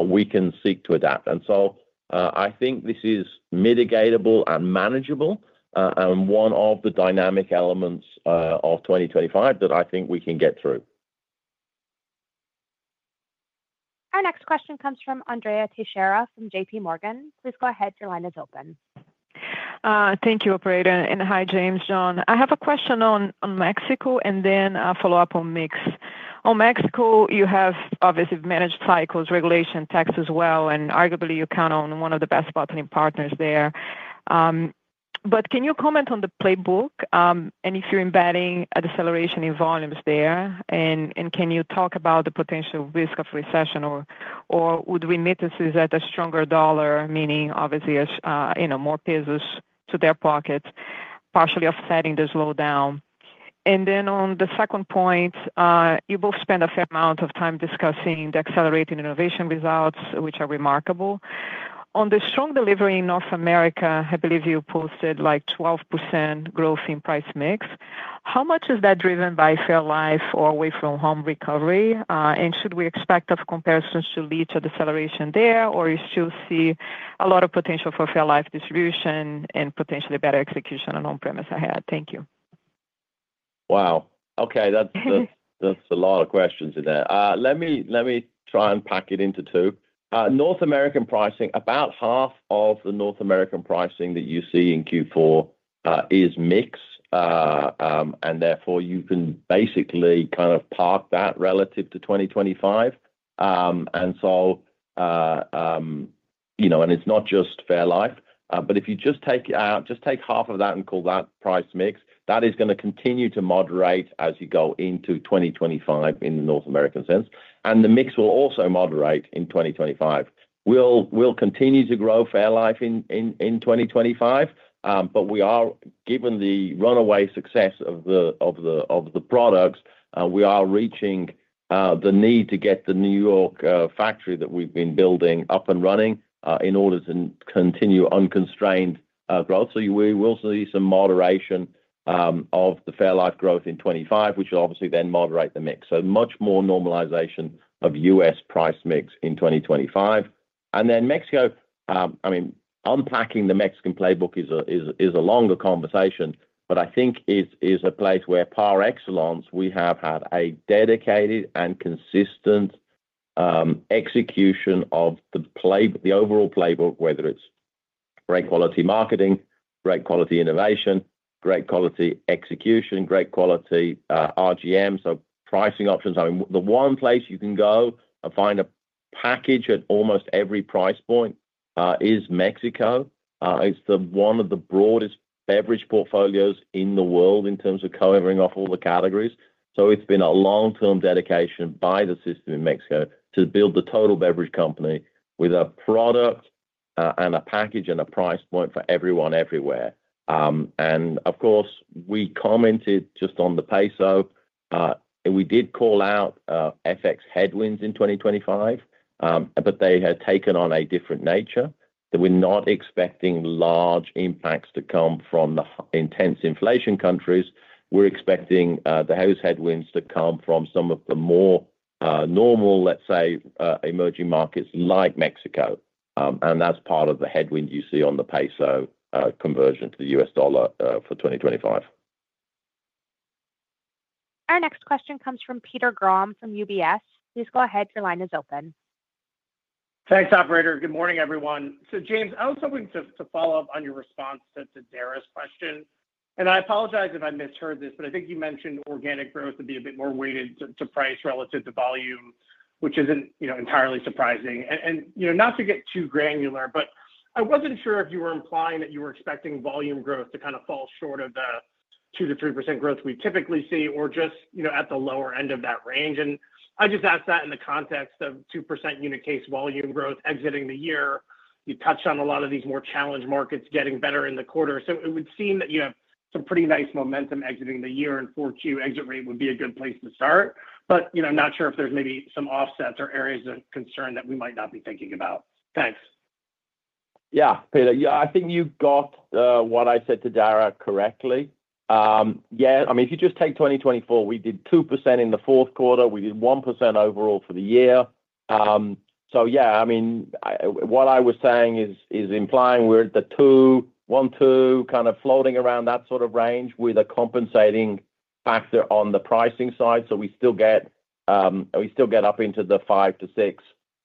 we can seek to adapt. And so I think this is mitigatable and manageable and one of the dynamic elements of 2025 that I think we can get through. Our next question comes from Andrea Teixeira from J.P. Morgan. Please go ahead. Your line is open. Thank you, Operator. And hi, James, John. I have a question on Mexico and then a follow-up on mix. On Mexico, you have obviously managed cycles, regulation, tax as well, and arguably you count on one of the best bottling partners there. But can you comment on the playbook and if you're embedding acceleration in volumes there? And can you talk about the potential risk of recession or would remittances at a stronger dollar, meaning obviously more pesos to their pockets, partially offsetting the slowdown? And then on the second point, you both spent a fair amount of time discussing the accelerating innovation results, which are remarkable. On the strong delivery in North America, I believe you posted like 12% growth in price mix. How much is that driven by Fairlife or away-from-home recovery? And should we expect comparisons to lead to acceleration there, or you still see a lot of potential for Fairlife distribution and potentially better execution on-premise ahead? Thank you. Wow. Okay. That's a lot of questions in there. Let me try and pack it into two. North American pricing, about half of the North American pricing that you see in Q4 is mix, and therefore you can basically kind of park that relative to 2025. And so it's not just fairlife, but if you just take half of that and call that price mix, that is going to continue to moderate as you go into 2025 in the North American sense. And the mix will also moderate in 2025. We'll continue to grow fairlife in 2025, but given the runaway success of the products, we are reaching the need to get the New York factory that we've been building up and running in order to continue unconstrained growth, so we will see some moderation of the fairlife growth in 2025, which will obviously then moderate the mix. So much more normalization of U.S. price mix in 2025. And then Mexico, I mean, unpacking the Mexican playbook is a longer conversation, but I think is a place where par excellence, we have had a dedicated and consistent execution of the overall playbook, whether it's great quality marketing, great quality innovation, great quality execution, great quality RGM, so pricing options. I mean, the one place you can go and find a package at almost every price point is Mexico. It's one of the broadest beverage portfolios in the world in terms of covering off all the categories. So it's been a long-term dedication by the system in Mexico to build the total beverage company with a product and a package and a price point for everyone everywhere. And of course, we commented just on the peso. We did call out FX headwinds in 2025, but they had taken on a different nature. We're not expecting large impacts to come from the intense inflation countries. We're expecting those headwinds to come from some of the more normal, let's say, emerging markets like Mexico. And that's part of the headwind you see on the peso conversion to the U.S. dollar for 2025. Our next question comes from Peter Grom from UBS. Please go ahead. Your line is open. Thanks, Operator. Good morning, everyone. So James, I was hoping to follow up on your response to Dara's question. And I apologize if I misheard this, but I think you mentioned organic growth would be a bit more weighted to price relative to volume, which isn't entirely surprising. Not to get too granular, but I wasn't sure if you were implying that you were expecting volume growth to kind of fall short of the 2%-3% growth we typically see or just at the lower end of that range. I just asked that in the context of 2% unit case volume growth exiting the year. You touched on a lot of these more challenged markets getting better in the quarter. So it would seem that you have some pretty nice momentum exiting the year, and 4Q exit rate would be a good place to start. But I'm not sure if there's maybe some offsets or areas of concern that we might not be thinking about. Thanks. Yeah. I think you got what I said to Dara correctly. Yeah. I mean, if you just take 2024, we did 2% in the fourth quarter. We did 1% overall for the year. So yeah, I mean, what I was saying is implying we're at the 1-2, kind of floating around that sort of range with a compensating factor on the pricing side. So we still get up into the 5%-6% range. So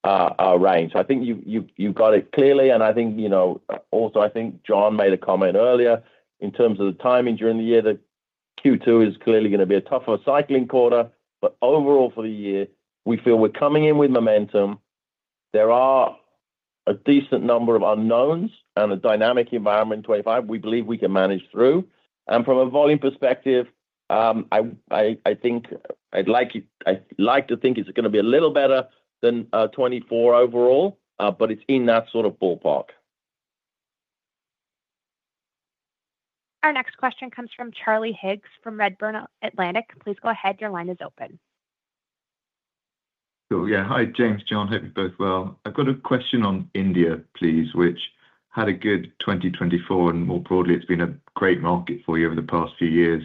I think you got it clearly. And I think also, I think John made a comment earlier in terms of the timing during the year that Q2 is clearly going to be a tougher cycling quarter. But overall for the year, we feel we're coming in with momentum. There are a decent number of unknowns and a dynamic environment in 2025 we believe we can manage through. And from a volume perspective, I'd like to think it's going to be a little better than 2024 overall, but it's in that sort of ballpark. Our next question comes from Charlie Higgs from Redburn Atlantic. Please go ahead. Your line is open. Cool. Yeah. Hi, James, John. Hope you're both well. I've got a question on India, please, which had a good 2024. And more broadly, it's been a great market for you over the past few years.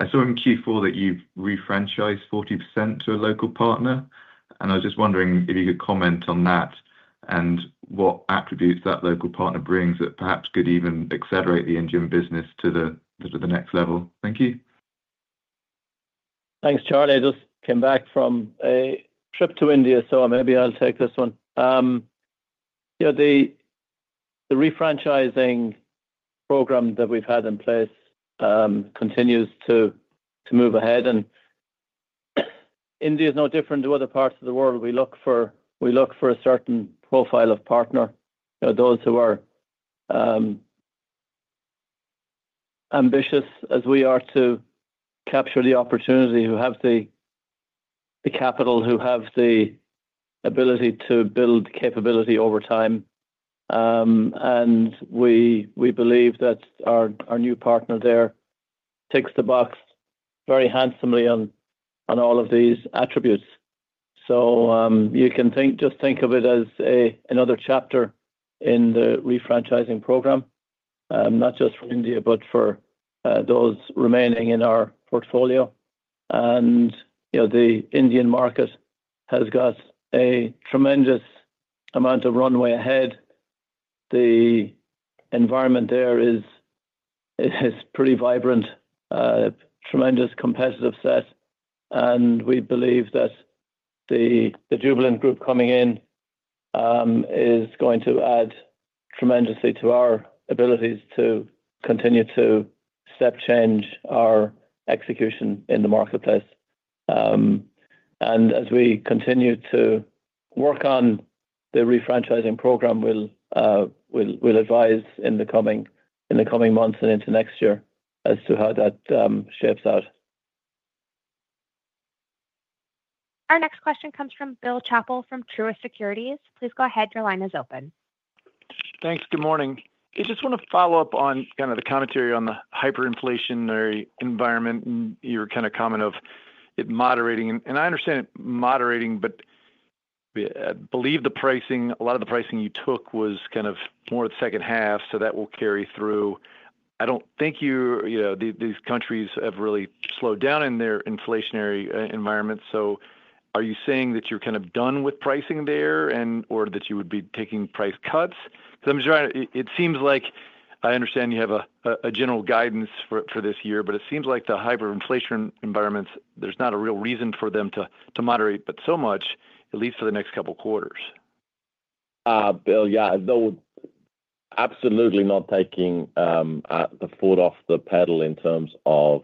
I saw in Q4 that you've refranchised 40% to a local partner. And I was just wondering if you could comment on that and what attributes that local partner brings that perhaps could even accelerate the Indian business to the next level. Thank you. Thanks, Charlie. I just came back from a trip to India, so maybe I'll take this one. The refranchising program that we've had in place continues to move ahead. And India is no different to other parts of the world. We look for a certain profile of partner, those who are ambitious as we are to capture the opportunity, who have the capital, who have the ability to build capability over time, and we believe that our new partner there ticks the box very handsomely on all of these attributes, so you can just think of it as another chapter in the refranchising program, not just for India, but for those remaining in our portfolio, and the Indian market has got a tremendous amount of runway ahead. The environment there is pretty vibrant, tremendous competitive set, and we believe that the Jubilant Group coming in is going to add tremendously to our abilities to continue to step change our execution in the marketplace, and as we continue to work on the refranchising program, we'll advise in the coming months and into next year as to how that shapes out. Our next question comes from Bill Chappell from Truist Securities. Please go ahead. Your line is open. Thanks. Good morning. I just want to follow up on kind of the commentary on the hyperinflationary environment and your kind of comment of it moderating. And I understand it moderating, but I believe a lot of the pricing you took was kind of more of the second half, so that will carry through. I don't think these countries have really slowed down in their inflationary environment. So are you saying that you're kind of done with pricing there or that you would be taking price cuts? Because it seems like I understand you have a general guidance for this year, but it seems like the hyperinflation environments, there's not a real reason for them to moderate but so much, at least for the next couple of quarters. Bill, yeah, absolutely not taking the foot off the pedal in terms of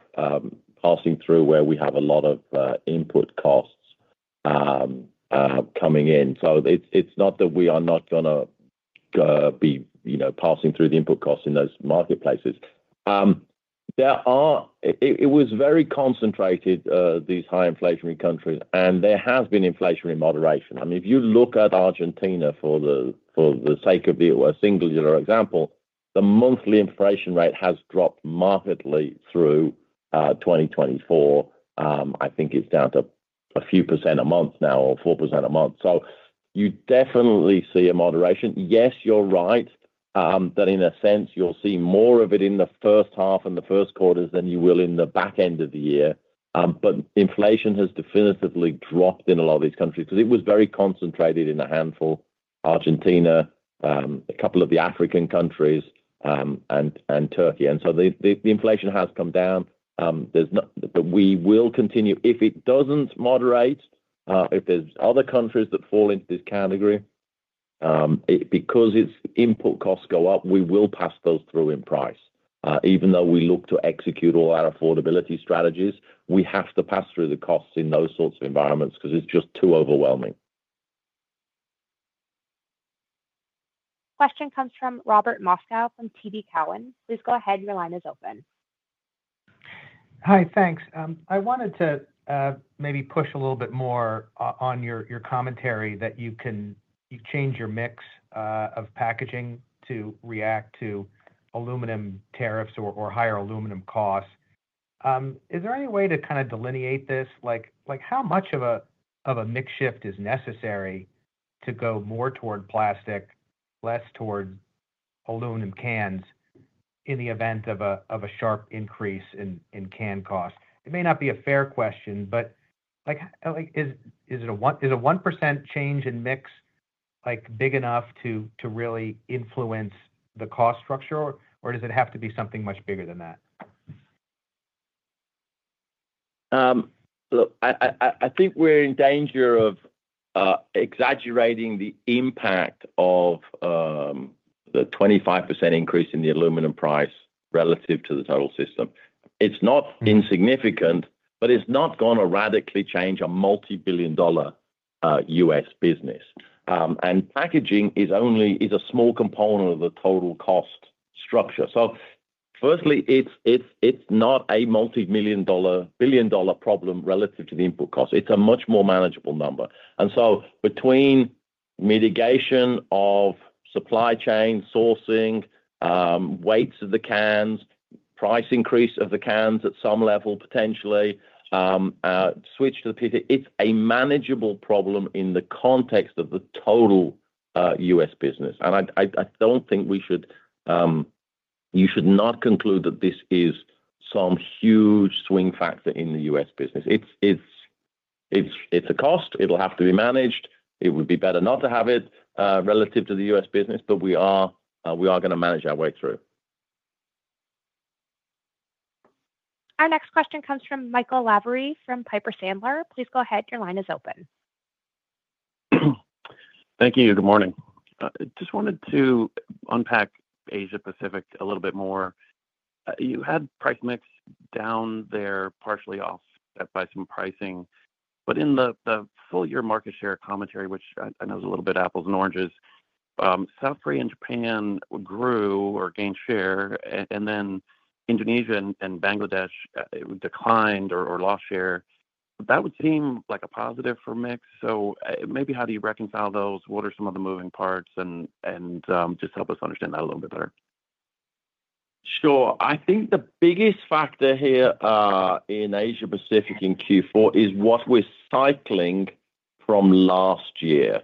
passing through where we have a lot of input costs coming in. So it's not that we are not going to be passing through the input costs in those marketplaces. It was very concentrated, these high inflationary countries, and there has been inflationary moderation. I mean, if you look at Argentina for the sake of a single example, the monthly inflation rate has dropped markedly through 2024. I think it's down to a few % a month now or 4% a month. So you definitely see a moderation. Yes, you're right that in a sense, you'll see more of it in the first half and the first quarters than you will in the back end of the year. But inflation has definitively dropped in a lot of these countries because it was very concentrated in a handful, Argentina, a couple of the African countries, and Turkey. And so the inflation has come down. But we will continue. If it doesn't moderate, if there's other countries that fall into this category, because its input costs go up, we will pass those through in price. Even though we look to execute all our affordability strategies, we have to pass through the costs in those sorts of environments because it's just too overwhelming. Question comes from Robert Moskow from TD Cowen. Please go ahead. Your line is open. Hi, thanks. I wanted to maybe push a little bit more on your commentary that you change your mix of packaging to react to aluminum tariffs or higher aluminum costs. Is there any way to kind of delineate this? How much of a mix shift is necessary to go more toward plastic, less toward aluminum cans in the event of a sharp increase in can cost? It may not be a fair question, but is a 1% change in mix big enough to really influence the cost structure, or does it have to be something much bigger than that? Look, I think we're in danger of exaggerating the impact of the 25% increase in the aluminum price relative to the total system. It's not insignificant, but it's not going to radically change a multi-billion-dollar U.S. business. And packaging is a small component of the total cost structure. So firstly, it's not a multi-billion-dollar problem relative to the input cost. It's a much more manageable number. And so between mitigation of supply chain sourcing, weights of the cans, price increase of the cans at some level, potentially switch to the PT, it's a manageable problem in the context of the total U.S. business. And I don't think you should not conclude that this is some huge swing factor in the U.S. business. It's a cost. It'll have to be managed. It would be better not to have it relative to the U.S. business, but we are going to manage our way through. Our next question comes from Michael Lavery from Piper Sandler. Please go ahead. Your line is open. Thank you. Good morning. I just wanted to unpack Asia-Pacific a little bit more. You had price mix down there, partially offset by some pricing. But in the full-year market share commentary, which I know is a little bit apples and oranges, South Korea and Japan grew or gained share, and then Indonesia and Bangladesh declined or lost share. That would seem like a positive for mix. So maybe how do you reconcile those? What are some of the moving parts? And just help us understand that a little bit better. Sure. I think the biggest factor here in Asia-Pacific in Q4 is what we're cycling from last year.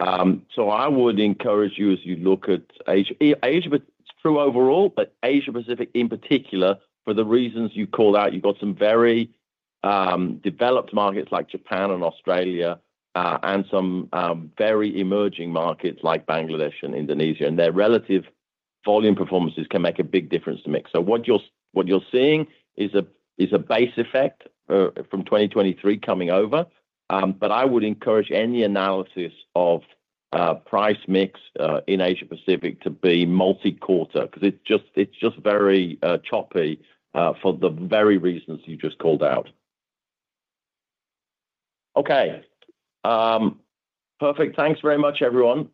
So I would encourage you as you look at Asia, it's true overall, but Asia-Pacific in particular, for the reasons you call out, you've got some very developed markets like Japan and Australia and some very emerging markets like Bangladesh and Indonesia. And their relative volume performances can make a big difference to mix. So what you're seeing is a base effect from 2023 coming over. But I would encourage any analysis of price mix in Asia-Pacific to be multi-quarter because it's just very choppy for the very reasons you just called out. Okay. Perfect. Thanks very much, everyone.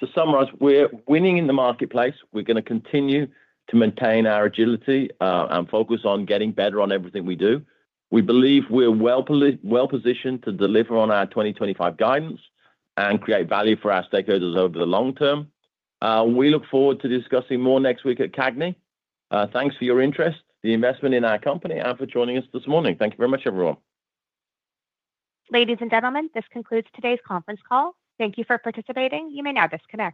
To summarize, we're winning in the marketplace. We're going to continue to maintain our agility and focus on getting better on everything we do. We believe we're well-positioned to deliver on our 2025 guidance and create value for our stakeholders over the long term. We look forward to discussing more next week at CAGNY. Thanks for your interest, the investment in our company, and for joining us this morning. Thank you very much, everyone. Ladies and gentlemen, this concludes today's conference call. Thank you for participating. You may now disconnect.